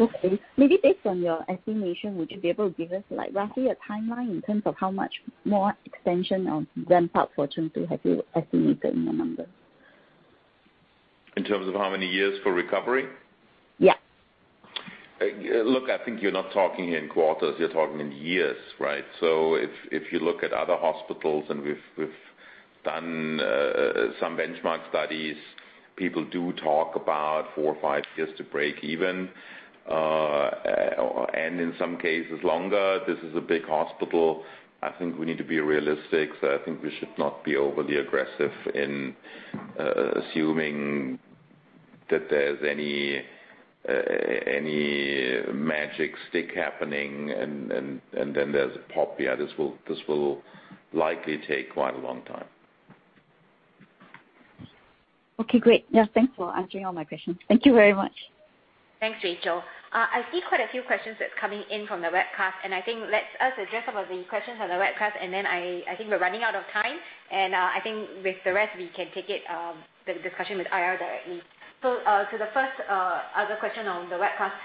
Okay. Maybe based on your estimation, would you be able to give us roughly a timeline in terms of how much more extension of ramp-up for Chengdu have you estimated in your numbers? In terms of how many years for recovery? Yeah. Look, I think you're not talking in quarters, you're talking in years, right? If you look at other hospitals, and we've done some benchmark studies, people do talk about four or five years to break even, and in some cases longer. This is a big hospital. I think we need to be realistic. I think we should not be overly aggressive in assuming that there's any magic stick happening and then there's a pop. Yeah, this will likely take quite a long time. Okay, great. Yeah, thanks for answering all my questions. Thank you very much. Thanks, Rachel. I see quite a few questions that's coming in from the webcast, and I think let us address some of the questions on the webcast, and then I think we're running out of time, and I think with the rest we can take it, the discussion with IR directly. To the first other question on the webcast.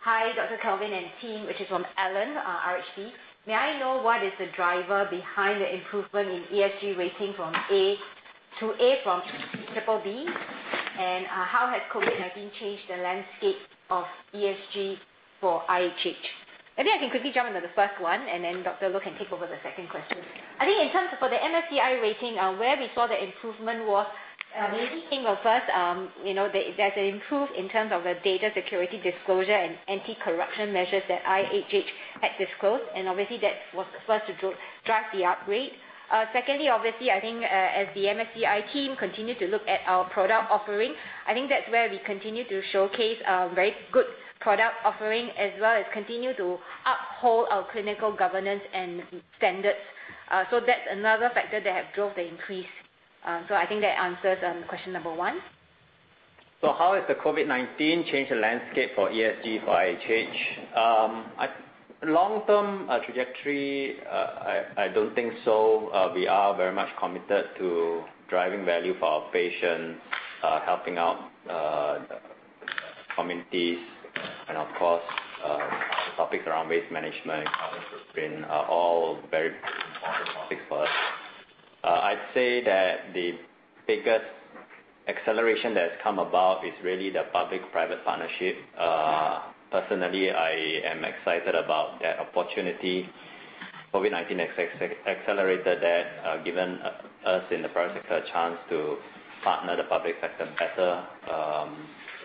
"Hi, Dr. Kelvin and team," which is from Alan, RHB. "May I know what is the driver behind the improvement in ESG rating from A to A from BBB? How has COVID-19 changed the landscape of ESG for IHH?" Maybe I can quickly jump into the first one, and then Dr. Loh can take over the second question. I think in terms of the MSCI rating, where we saw the improvement was, maybe think of first, there's an improvement in terms of the data security disclosure and anti-corruption measures that IHH had disclosed, and obviously that was first to drive the upgrade. Obviously, I think, as the MSCI team continued to look at our product offering, I think that's where we continue to showcase a very good product offering, as well as continue to uphold our clinical governance and standards. That's another factor that has driven the increase. I think that answers question number one. How has the COVID-19 changed the landscape for ESG for IHH? Long-term trajectory, I don't think so. We are very much committed to driving value for our patients, helping out communities, and of course, topics around waste management, governance have been all very important topics for us. I'd say that the biggest acceleration that's come about is really the public-private partnership. Personally, I am excited about that opportunity. COVID-19 accelerated that, given us in the private sector a chance to partner the public sector better, to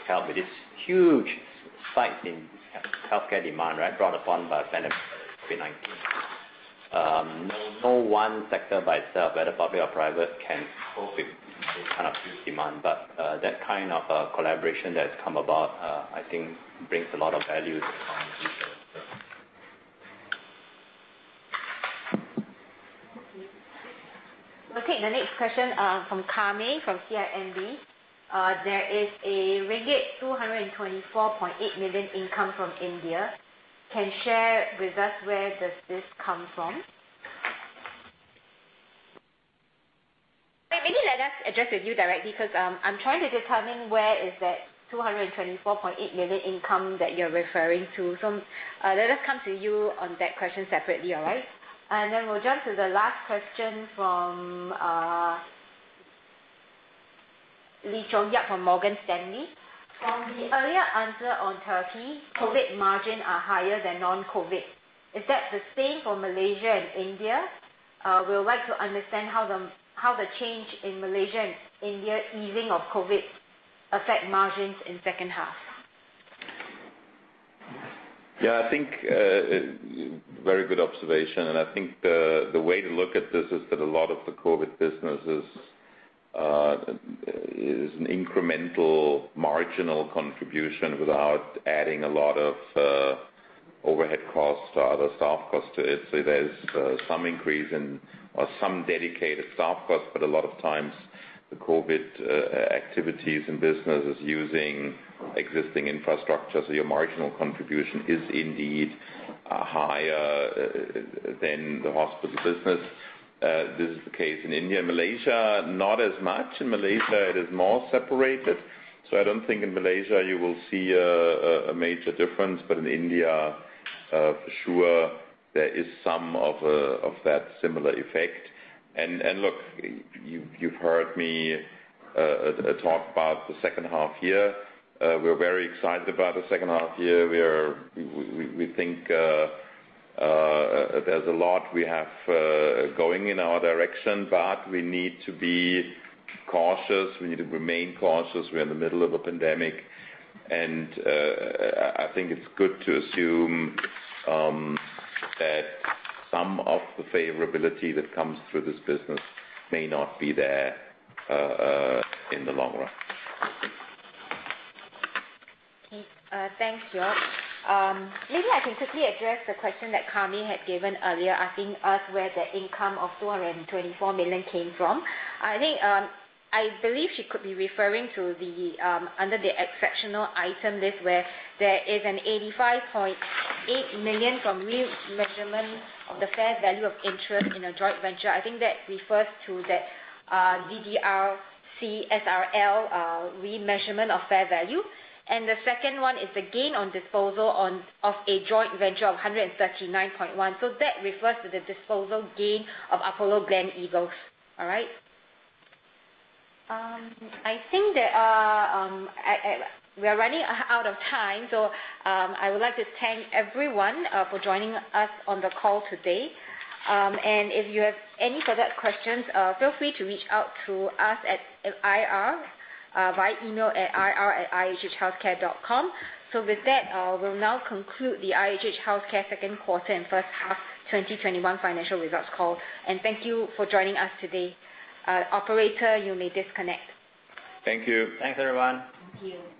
help with this huge spike in healthcare demand, right, brought upon by a pandemic like COVID-19. No one sector by itself, whether public or private, can cope with this kind of huge demand. That kind of collaboration that has come about, I think, brings a lot of value to the public sector. Okay. The next question from Carmen, from CIMB. "There is a ringgit 224.8 million income from India. Can share with us where does this come from?" Maybe let us address with you directly, because I'm trying to determine where is that 224.8 million income that you're referring to. Let us come to you on that question separately, all right? Then we'll jump to the last question from Chong Lee Yap from Morgan Stanley. "From the earlier answer on Turkey, COVID margin are higher than non-COVID. Is that the same for Malaysia and India? We would like to understand how the change in Malaysia and India easing of COVID affect margins in second half. Yeah, I think very good observation. I think the way to look at this is that a lot of the COVID businesses is an incremental marginal contribution without adding Overhead costs or the staff cost to it. There's some increase in or some dedicated staff cost. A lot of times the COVID activities and business is using existing infrastructure, your marginal contribution is indeed higher than the hospital business. This is the case in India and Malaysia. Not as much in Malaysia. It is more separated. I don't think in Malaysia you will see a major difference. In India, for sure, there is some of that similar effect. Look, you've heard me talk about the second half year. We're very excited about the second half year. We think there's a lot we have going in our direction, but we need to be cautious. We need to remain cautious. We're in the middle of a pandemic, and I think it's good to assume that some of the favorability that comes through this business may not be there in the long run. Okay. Thanks, Jorg. Maybe I can quickly address the question that Carmen had given earlier, asking us where the income of 224 million came from. I believe she could be referring to under the exceptional item list, where there is an 85.8 million from re-measurement of the fair value of interest in a joint venture. I think that refers to that DDRC SRL re-measurement of fair value. The second one is the gain on disposal of a joint venture of 139.1 million. That refers to the disposal gain of Apollo Gleneagles. All right? I think that we are running out of time. I would like to thank everyone for joining us on the call today. If you have any further questions, feel free to reach out to us at IR via email at ir@ihhhealthcare.com. With that, we'll now conclude the IHH Healthcare second quarter and first half 2021 financial results call. Thank you for joining us today. Operator, you may disconnect. Thank you. Thanks, everyone. Thank you.